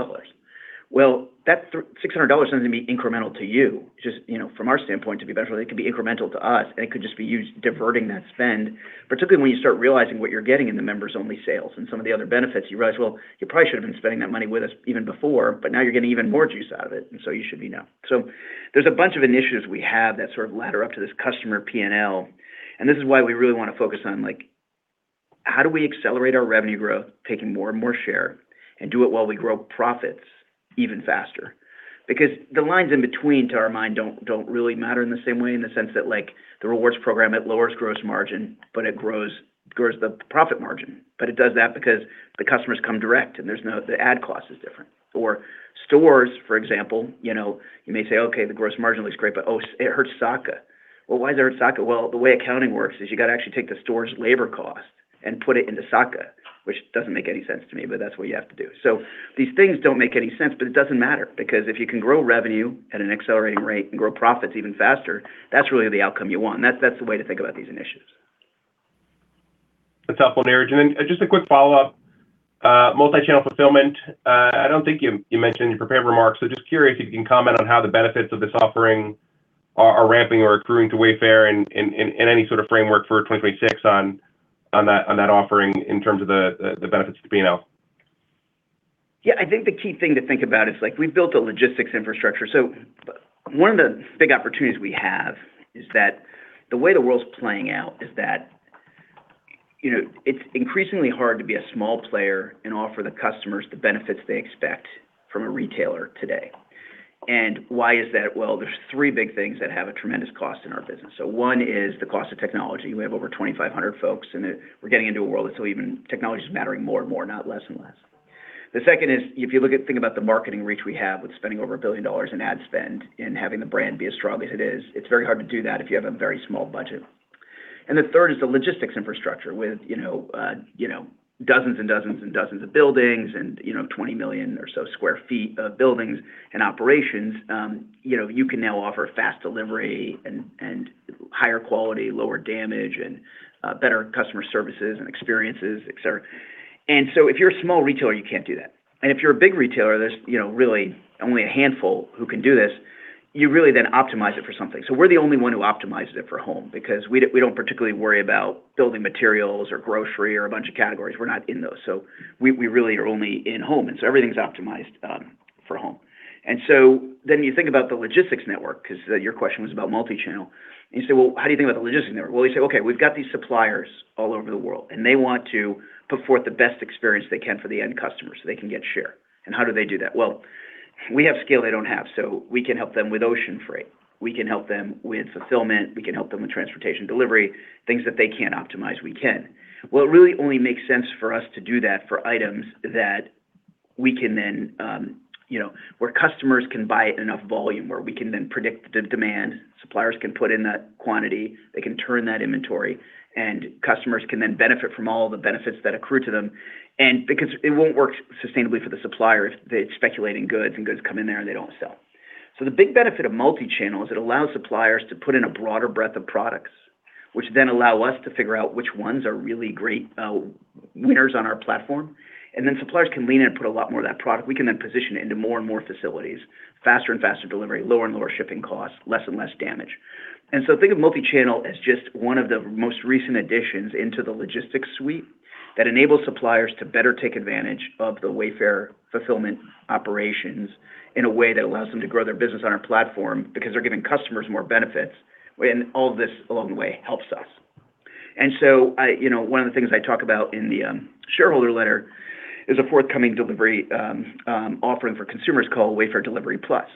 Well, that $600 doesn't need to be incremental to you, just, you know, from our standpoint, to be better, it could be incremental to us, and it could just be used diverting that spend. Particularly, when you start realizing what you're getting in the members-only sales and some of the other benefits, you realize, well, you probably should have been spending that money with us even before, but now you're getting even more juice out of it, and so you should be now. So there's a bunch of initiatives we have that sort of ladder up to this customer P&L, and this is why we really want to focus on, like, how do we accelerate our revenue growth, taking more and more share, and do it while we grow profits even faster? Because the lines in between, to our mind, don't, don't really matter in the same way, in the sense that, like, the rewards program, it lowers gross margin, but it grows, grows the profit margin. But it does that because the customers come direct, and there's no, the ad cost is different. Or stores, for example, you know, you may say, "Okay, the gross margin looks great, but oh, it hurts SOTG&A." Well, why does it hurt SOTG&A? Well, the way accounting works is you got to actually take the store's labor cost and put it into SOTG&A, which doesn't make any sense to me, but that's what you have to do. So these things don't make any sense, but it doesn't matter, because if you can grow revenue at an accelerating rate and grow profits even faster, that's really the outcome you want, and that's, that's the way to think about these initiatives. That's helpful, Niraj. And then just a quick follow-up, multi-channel fulfillment. I don't think you mentioned in your prepared remarks, so just curious if you can comment on how the benefits of this offering are ramping or accruing to Wayfair and any sort of framework for 2026 on that offering in terms of the benefits to P&L. Yeah, I think the key thing to think about is, like, we've built a logistics infrastructure. So one of the big opportunities we have is that the way the world's playing out is that, you know, it's increasingly hard to be a small player and offer the customers the benefits they expect from a retailer today. And why is that? Well, there's three big things that have a tremendous cost in our business. So one is the cost of technology. We have over 2,500 folks, and we're getting into a world that's so even... Technology is mattering more and more, not less and less. The second is, if you look at, think about the marketing reach we have with spending over $1 billion in ad spend and having the brand be as strong as it is, it's very hard to do that if you have a very small budget. And the third is the logistics infrastructure with, you know, you know, dozens and dozens and dozens of buildings and, you know, 20 million or so sq ft of buildings and operations, you know, you can now offer fast delivery and, and higher quality, lower damage, and, better customer services and experiences, et cetera. And so if you're a small retailer, you can't do that. And if you're a big retailer, there's, you know, really only a handful who can do this, you really then optimize it for something. So we're the only one who optimizes it for home because we don't particularly worry about building materials or grocery or a bunch of categories. We're not in those. So we really are only in home, and so everything's optimized for home. And so then you think about the logistics network, 'cause your question was about multi-channel, and you say, "Well, how do you think about the logistics network?" Well, you say, "Okay, we've got these suppliers all over the world, and they want to put forth the best experience they can for the end customer so they can get share." And how do they do that? Well, we have scale they don't have, so we can help them with ocean freight. We can help them with fulfillment. We can help them with transportation delivery. Things that they can't optimize, we can. Well, it really only makes sense for us to do that for items that we can then, you know, where customers can buy at enough volume, where we can then predict the demand. Suppliers can put in that quantity, they can turn that inventory, and customers can then benefit from all the benefits that accrue to them. And because it won't work sustainably for the suppliers, they're speculating goods, and goods come in there, and they don't sell. So the big benefit of multi-channel is it allows suppliers to put in a broader breadth of products, which then allow us to figure out which ones are really great, winners on our platform, and then suppliers can lean in and put a lot more of that product. We can then position it into more and more facilities, faster and faster delivery, lower and lower shipping costs, less and less damage. And so think of multi-channel as just one of the most recent additions into the logistics suite that enables suppliers to better take advantage of the Wayfair fulfillment operations in a way that allows them to grow their business on our platform because they're giving customers more benefits, when all of this along the way helps us. And so, I, you know, one of the things I talk about in the, shareholder letter is a forthcoming delivery, offering for consumers called Wayfair Delivery Plus.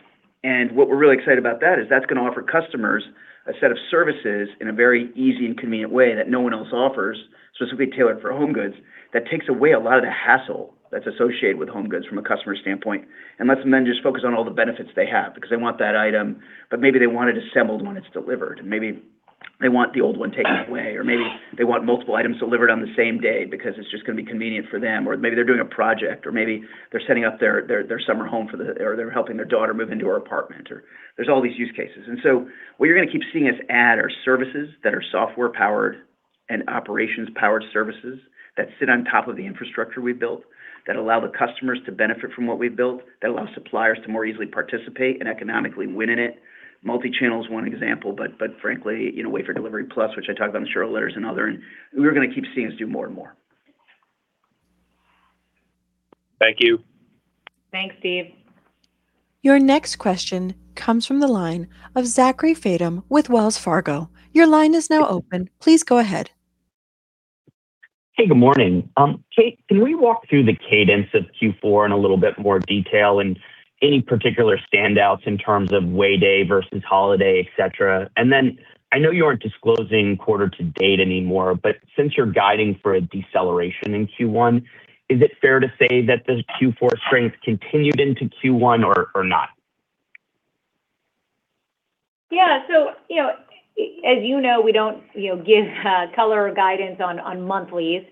What we're really excited about that is that's going to offer customers a set of services in a very easy and convenient way that no one else offers, specifically tailored for home goods, that takes away a lot of the hassle that's associated with home goods from a customer standpoint, and lets them then just focus on all the benefits they have, because they want that item, but maybe they want it assembled when it's delivered, and maybe they want the old one taken away, or maybe they want multiple items delivered on the same day because it's just going to be convenient for them, or maybe they're doing a project, or maybe they're setting up their summer home, or they're helping their daughter move into her apartment, or there's all these use cases. And so what you're going to keep seeing us add are services that are software-powered and operations-powered services that sit on top of the infrastructure we've built, that allow the customers to benefit from what we've built, that allow suppliers to more easily participate and economically win in it. Multi-channel is one example, but, but frankly, you know, Wayfair Delivery Plus, which I talked about in the shareholder letters and other, and we're going to keep seeing us do more and more. Thank you. Thanks, Steve. Your next question comes from the line of Zachary Fadem with Wells Fargo. Your line is now open. Please go ahead. Hey, good morning. Kate, can we walk through the cadence of Q4 in a little bit more detail and any particular standouts in terms of Way Day versus holiday, et cetera? And then I know you aren't disclosing quarter to date anymore, but since you're guiding for a deceleration in Q1, is it fair to say that the Q4 strength continued into Q1 or, or not? Yeah. So, you know, as you know, we don't, you know, give color or guidance on monthlies.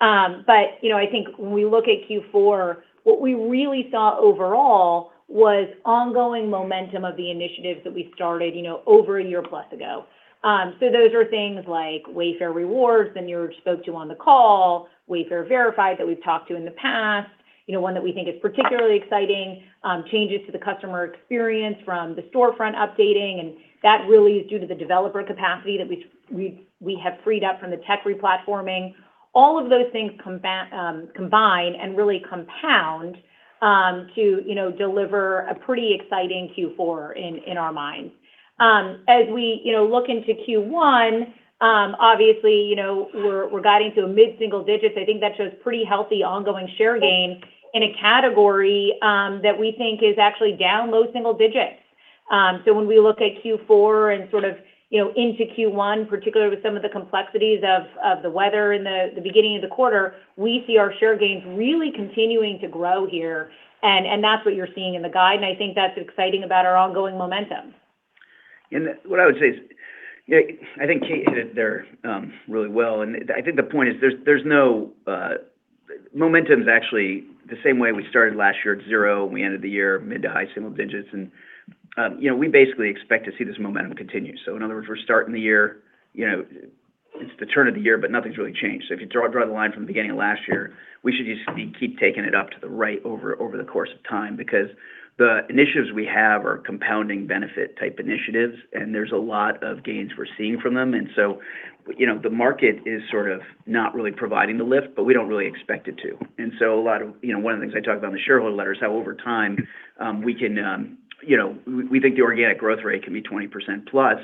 But, you know, I think when we look at Q4, what we really saw overall was ongoing momentum of the initiatives that we started, you know, over a year plus ago. So those are things like Wayfair Rewards, and you spoke to on the call, Wayfair Verified, that we've talked to in the past. You know, one that we think is particularly exciting, changes to the customer experience from the storefront updating, and that really is due to the developer capacity that we have freed up from the tech replatforming. All of those things combine and really compound to, you know, deliver a pretty exciting Q4 in our minds. As we, you know, look into Q1, obviously, you know, we're guiding to a mid-single digits. I think that shows pretty healthy ongoing share gain in a category that we think is actually down low single digits. So when we look at Q4 and sort of, you know, into Q1, particularly with some of the complexities of the weather in the beginning of the quarter, we see our share gains really continuing to grow here, and that's what you're seeing in the guide, and I think that's exciting about our ongoing momentum. What I would say is, you know, I think Kate hit it there really well, and I think the point is, there's no momentum is actually the same way we started last year at zero, and we ended the year mid- to high-single digits, and, you know, we basically expect to see this momentum continue. So in other words, we're starting the year, you know, it's the turn of the year, but nothing's really changed. So if you draw the line from the beginning of last year, we should just keep taking it up to the right over the course of time, because the initiatives we have are compounding benefit type initiatives, and there's a lot of gains we're seeing from them. So, you know, the market is sort of not really providing the lift, but we don't really expect it to. So a lot of— You know, one of the things I talked about in the shareholder letter is how over time, we can, you know, we think the organic growth rate can be 20% plus,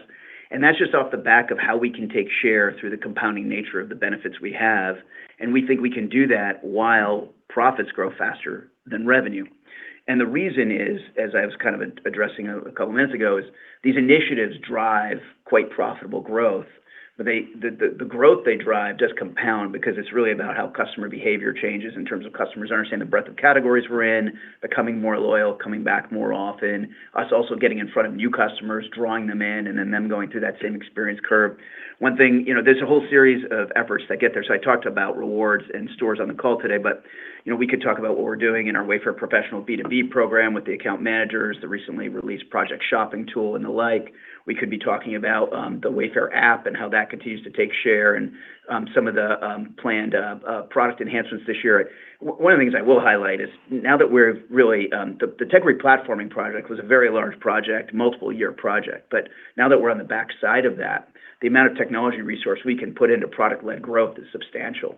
and that's just off the back of how we can take share through the compounding nature of the benefits we have, and we think we can do that while profits grow faster than revenue. The reason is, as I was kind of addressing a couple of minutes ago, is these initiatives drive quite profitable growth, but they, the growth they drive does compound because it's really about how customer behavior changes in terms of customers understanding the breadth of categories we're in, becoming more loyal, coming back more often, us also getting in front of new customers, drawing them in, and then them going through that same experience curve. One thing, you know, there's a whole series of efforts that get there. So I talked about rewards and stores on the call today, but, you know, we could talk about what we're doing in our Wayfair Professional B2B program with the account managers, the recently released project shopping tool, and the like. We could be talking about the Wayfair app and how that continues to take share and some of the planned product enhancements this year. One of the things I will highlight is, now that we're really... The tech replatforming project was a very large project, multiple year project, but now that we're on the backside of that, the amount of technology resource we can put into product-led growth is substantial.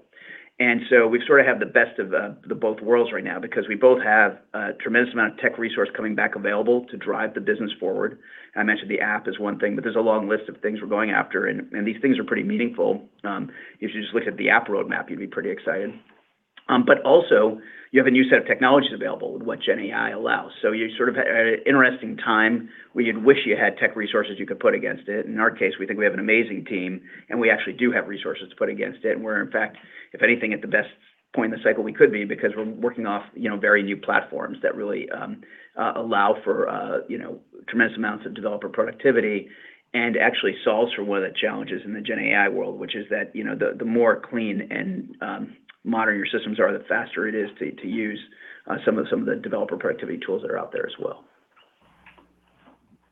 And so we sort of have the best of the both worlds right now because we both have a tremendous amount of tech resource coming back available to drive the business forward. I mentioned the app is one thing, but there's a long list of things we're going after, and these things are pretty meaningful. If you just look at the app roadmap, you'd be pretty excited. But also, you have a new set of technologies available with what GenAI allows. So you sort of had an interesting time where you'd wish you had tech resources you could put against it. In our case, we think we have an amazing team, and we actually do have resources to put against it. We're, in fact, if anything, at the best point in the cycle we could be because we're working off, you know, very new platforms that really allow for, you know, tremendous amounts of developer productivity and actually solves for one of the challenges in the GenAI world, which is that, you know, the more clean and modern your systems are, the faster it is to use some of the developer productivity tools that are out there as well. ...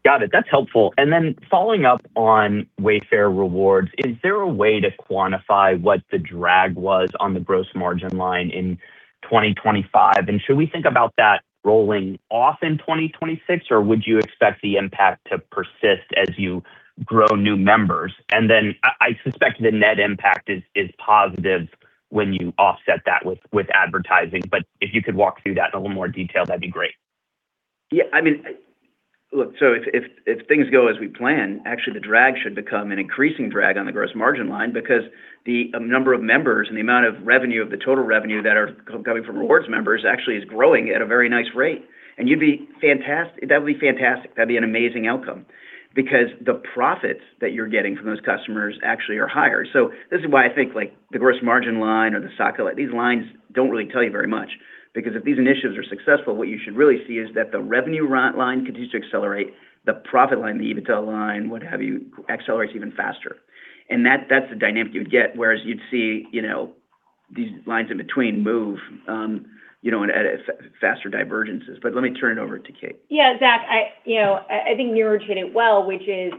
Got it. That's helpful. And then following up on Wayfair Rewards, is there a way to quantify what the drag was on the gross margin line in 2025? And should we think about that rolling off in 2026, or would you expect the impact to persist as you grow new members? And then I, I suspect the net impact is, is positive when you offset that with, with advertising. But if you could walk through that in a little more detail, that'd be great. Yeah, I mean, look, so if, if, if things go as we plan, actually the drag should become an increasing drag on the gross margin line because the number of members and the amount of revenue of the total revenue that are coming from rewards members actually is growing at a very nice rate. And you'd be fantastic. That would be fantastic. That'd be an amazing outcome. Because the profits that you're getting from those customers actually are higher. So this is why I think, like, the gross margin line or the SOT G&A, like, these lines don't really tell you very much. Because if these initiatives are successful, what you should really see is that the revenue line continues to accelerate, the profit line, the EBITDA line, what have you, accelerates even faster. And that's the dynamic you would get, whereas you'd see, you know, these lines in between move, you know, at a faster divergences. But let me turn it over to Kate. Yeah, Zach, you know, I think Niraj hit it well, which is,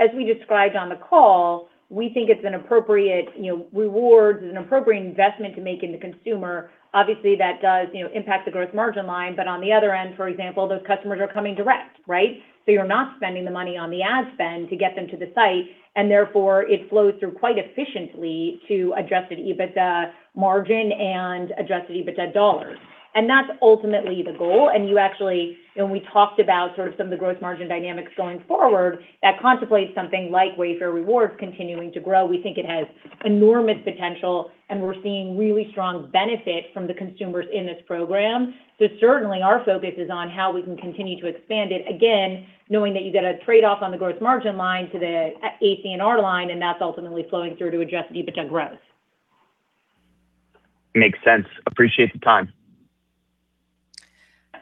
as we described on the call, we think it's an appropriate, you know, reward is an appropriate investment to make in the consumer. Obviously, that does, you know, impact the gross margin line, but on the other end, for example, those customers are coming direct, right? So you're not spending the money on the ad spend to get them to the site, and therefore, it flows through quite efficiently to Adjusted EBITDA margin and Adjusted EBITDA dollars. And that's ultimately the goal. And you actually... When we talked about sort of some of the gross margin dynamics going forward, that contemplates something like Wayfair Rewards continuing to grow. We think it has enormous potential, and we're seeing really strong benefit from the consumers in this program. Certainly, our focus is on how we can continue to expand it, again, knowing that you get a trade-off on the gross margin line to the ACNR line, and that's ultimately flowing through to Adjusted EBITDA growth. Makes sense. Appreciate the time.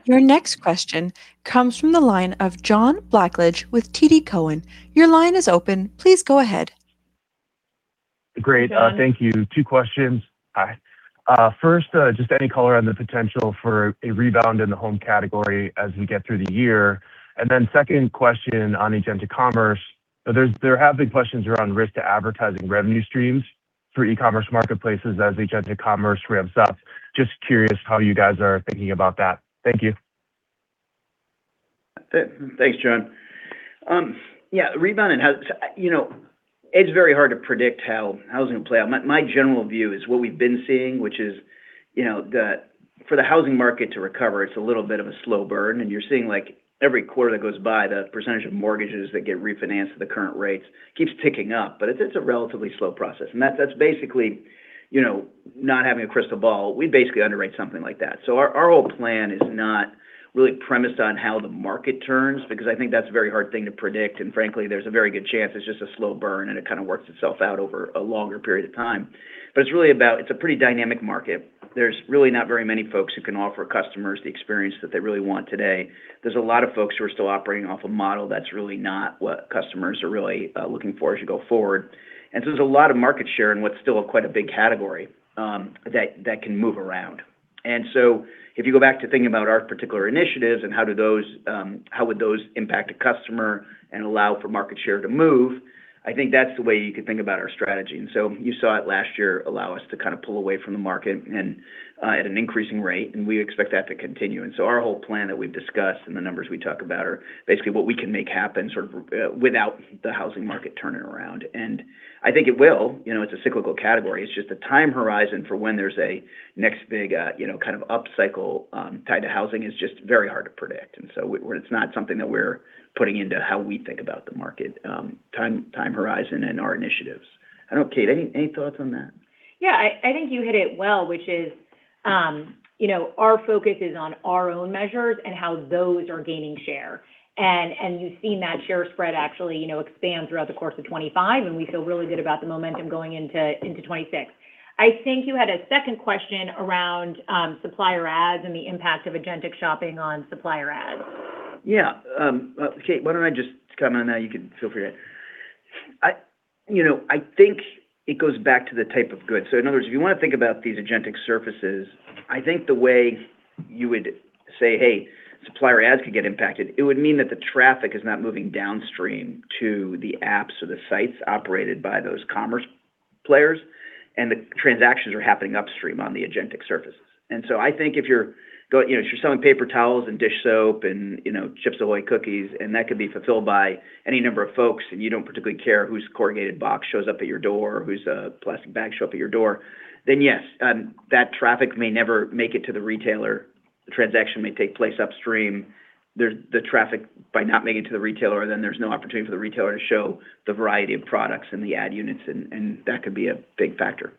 Your next question comes from the line of John Blackledge with TD Cowen. Your line is open. Please go ahead. Great. John. Thank you. Two questions. Hi. First, just any color on the potential for a rebound in the home category as we get through the year. And then second question on agent commerce. There have been questions around risk to advertising revenue streams for e-commerce marketplaces as agent commerce ramps up. Just curious how you guys are thinking about that. Thank you. Thanks, John. Yeah, rebound and how... You know, it's very hard to predict how housing will play out. My general view is what we've been seeing, which is, you know, that for the housing market to recover, it's a little bit of a slow burn, and you're seeing, like, every quarter that goes by, the percentage of mortgages that get refinanced at the current rates keeps ticking up, but it's a relatively slow process. And that's basically, you know, not having a crystal ball, we basically underwrite something like that. So our whole plan is not really premised on how the market turns, because I think that's a very hard thing to predict, and frankly, there's a very good chance it's just a slow burn, and it kind of works itself out over a longer period of time. But it's really about. It's a pretty dynamic market. There's really not very many folks who can offer customers the experience that they really want today. There's a lot of folks who are still operating off a model that's really not what customers are really looking for as you go forward. And so there's a lot of market share in what's still quite a big category that can move around. And so if you go back to thinking about our particular initiatives and how do those, how would those impact a customer and allow for market share to move, I think that's the way you could think about our strategy. And so you saw it last year allow us to kind of pull away from the market and at an increasing rate, and we expect that to continue. And so our whole plan that we've discussed and the numbers we talk about are basically what we can make happen, sort of, without the housing market turning around. And I think it will, you know, it's a cyclical category. It's just the time horizon for when there's a next big, you know, kind of upcycle, tied to housing is just very hard to predict. And so we're. It's not something that we're putting into how we think about the market, time, time horizon and our initiatives. I don't know, Kate, any, any thoughts on that? Yeah, I think you hit it well, which is, you know, our focus is on our own measures and how those are gaining share. And you've seen that share spread actually, you know, expand throughout the course of 2025, and we feel really good about the momentum going into 2026. I think you had a second question around supplier ads and the impact of agentic shopping on supplier ads. Yeah, Kate, why don't I just comment on that? You can feel free to... I, you know, I think it goes back to the type of goods. So in other words, if you want to think about these agentic surfaces, I think the way you would say, "Hey, supplier ads could get impacted," it would mean that the traffic is not moving downstream to the apps or the sites operated by those commerce players, and the transactions are happening upstream on the agentic surfaces. And so I think if you're you know, if you're selling paper towels and dish soap and, you know, Chips Ahoy cookies, and that could be fulfilled by any number of folks, and you don't particularly care whose corrugated box shows up at your door or whose plastic bag show up at your door, then yes, that traffic may never make it to the retailer. The transaction may take place upstream. The traffic by not making it to the retailer, then there's no opportunity for the retailer to show the variety of products and the ad units, and that could be a big factor.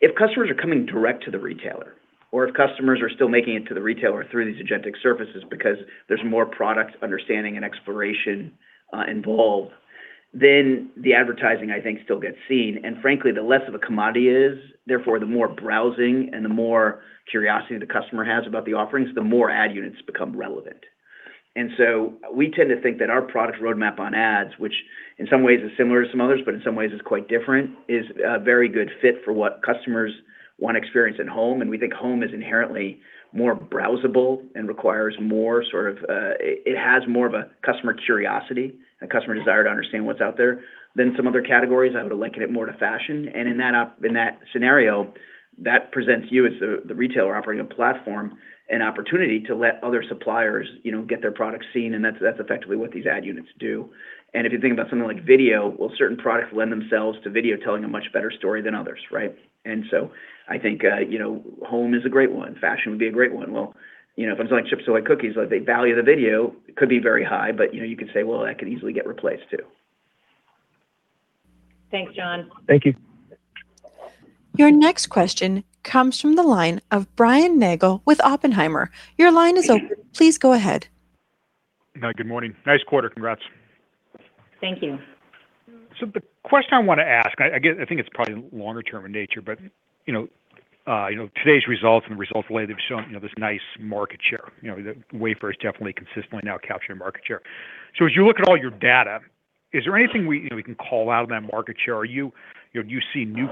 If customers are coming direct to the retailer or if customers are still making it to the retailer through these agentic surfaces because there's more product understanding and exploration involved, then the advertising, I think, still gets seen. And frankly, the less of a commodity it is, therefore, the more browsing and the more curiosity the customer has about the offerings, the more ad units become relevant. And so we tend to think that our product roadmap on ads, which in some ways, it's similar to some others, but in some ways, it's quite different. It's a very good fit for what customers want to experience at home, and we think home is inherently more browsable and requires more sort of. It has more of a customer curiosity and customer desire to understand what's out there than some other categories. I would liken it more to fashion, and in that up, in that scenario, that presents you as the, the retailer operating a platform, an opportunity to let other suppliers, you know, get their products seen, and that's, that's effectively what these ad units do. And if you think about something like video, well, certain products lend themselves to video telling a much better story than others, right? And so I think, you know, home is a great one. Fashion would be a great one. Well, you know, if it's like chips or like cookies, like, the value of the video could be very high, but, you know, you could say, "Well, that could easily get replaced, too. Thanks, John. Thank you. Your next question comes from the line of Brian Nagel with Oppenheimer. Your line is open. Please go ahead. Hi, good morning. Nice quarter, congrats. Thank you. So the question I want to ask, I get—I think it's probably longer term in nature, but, you know, you know, today's results and the results lately, they've shown, you know, this nice market share. You know, Wayfair is definitely consistently now capturing market share. So as you look at all your data, is there anything we, you know, we can call out of that market share? Are you, you know, do you see new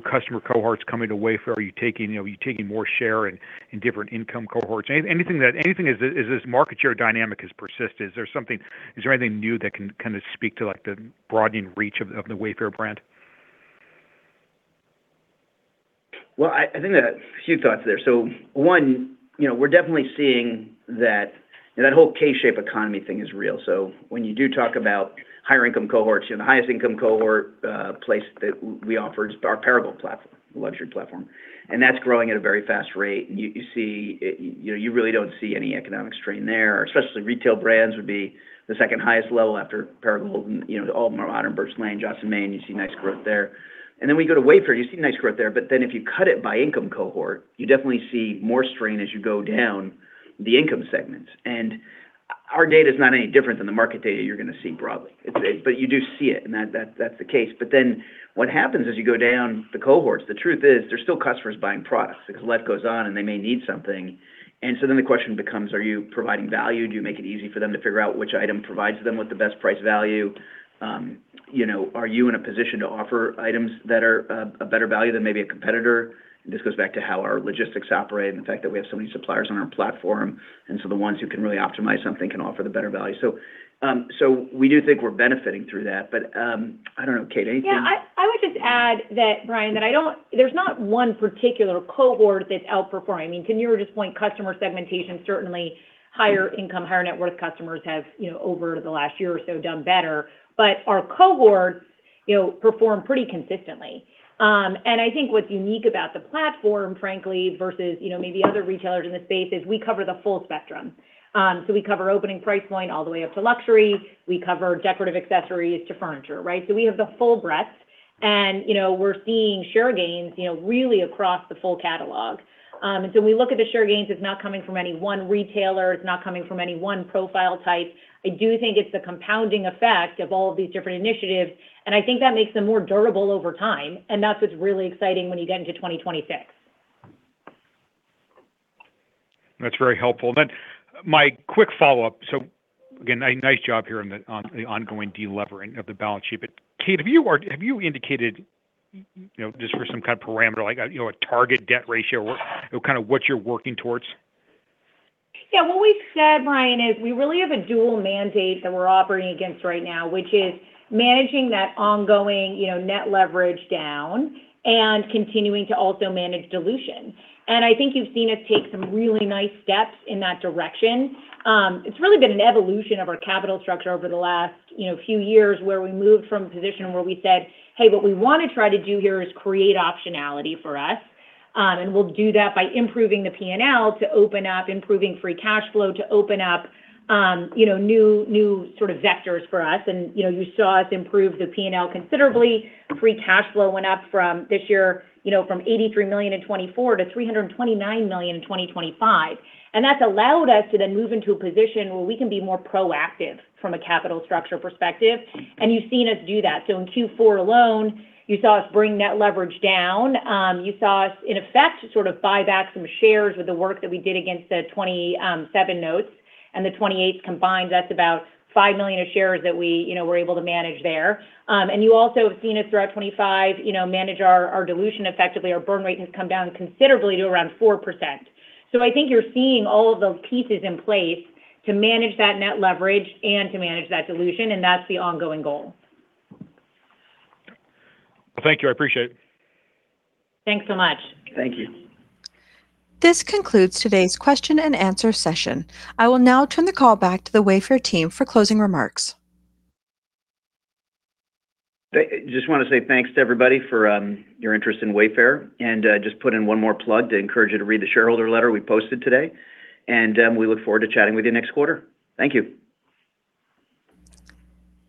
customer cohorts coming to Wayfair? Are you taking, you know, are you taking more share in different income cohorts? Anything that anything as this market share dynamic has persisted, is there something? Is there anything new that can kind of speak to, like, the broadening reach of the Wayfair brand? Well, I think that a few thoughts there. So one, you know, we're definitely seeing that whole K-shape economy thing is real. So when you do talk about higher income cohorts, you know, the highest income cohort place that we offer is our Perigold platform, the luxury platform, and that's growing at a very fast rate. You see, you know, you really don't see any economic strain there, especially retail brands would be the second highest level after Perigold. You know, all of our AllModern Birch Lane, Joss & Main, you see nice growth there. And then we go to Wayfair, you see nice growth there, but then if you cut it by income cohort, you definitely see more strain as you go down the income segments. And our data is not any different than the market data you're going to see broadly. But you do see it, and that's the case. But then what happens as you go down the cohorts, the truth is, there's still customers buying products because life goes on and they may need something. And so then the question becomes: Are you providing value? Do you make it easy for them to figure out which item provides them with the best price value? You know, are you in a position to offer items that are a better value than maybe a competitor? This goes back to how our logistics operate and the fact that we have so many suppliers on our platform, and so the ones who can really optimize something can offer the better value. So, so we do think we're benefiting through that, but, I don't know, Kate, anything- Yeah, I would just add that, Brian, that I don't, there's not one particular cohort that's outperforming. I mean, to your point, customer segmentation, certainly higher income, higher net worth customers have, you know, over the last year or so, done better. But our cohorts, you know, perform pretty consistently. And I think what's unique about the platform, frankly, versus, you know, maybe other retailers in this space, is we cover the full spectrum. So we cover opening price point all the way up to luxury. We cover decorative accessories to furniture, right? So we have the full breadth, and, you know, we're seeing share gains, you know, really across the full catalog. So we look at the share gains, it's not coming from any one retailer, it's not coming from any one profile type. I do think it's the compounding effect of all of these different initiatives, and I think that makes them more durable over time, and that's what's really exciting when you get into 2026. That's very helpful. Then, my quick follow-up: so again, nice job here on the ongoing delevering of the balance sheet. But, Kate, have you indicated, you know, just for some kind of parameter, like, a target debt ratio or kind of what you're working towards? Yeah, what we've said, Brian, is we really have a dual mandate that we're operating against right now, which is managing that ongoing, you know, Net Leverage down and continuing to also manage dilution. And I think you've seen us take some really nice steps in that direction. It's really been an evolution of our capital structure over the last, you know, few years, where we moved from a position where we said, "Hey, what we want to try to do here is create optionality for us," and we'll do that by improving the PNL to open up, improving Free Cash Flow, to open up, um, you know, new sort of vectors for us. And, you know, you saw us improve the PNL considerably. Free Cash Flow went up from this year, you know, from $83 million in 2024 to $329 million in 2025. And that's allowed us to then move into a position where we can be more proactive from a capital structure perspective, and you've seen us do that. So in Q4 alone, you saw us bring Net Leverage down. You saw us, in effect, sort of buy back some shares with the work that we did against the 2027 notes and the 2028 combined. That's about 5 million shares that we, you know, were able to manage there. And you also have seen us throughout 2025, you know, manage our our dilution effectively. Our Burn Rate has come down considerably to around 4%. I think you're seeing all of those pieces in place to manage that net leverage and to manage that dilution, and that's the ongoing goal. Thank you. I appreciate it. Thanks so much. Thank you. This concludes today's question and answer session. I will now turn the call back to the Wayfair team for closing remarks. I just want to say thanks to everybody for your interest in Wayfair, and just put in one more plug to encourage you to read the shareholder letter we posted today, and we look forward to chatting with you next quarter. Thank you.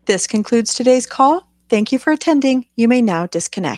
This concludes today's call. Thank you for attending. You may now disconnect.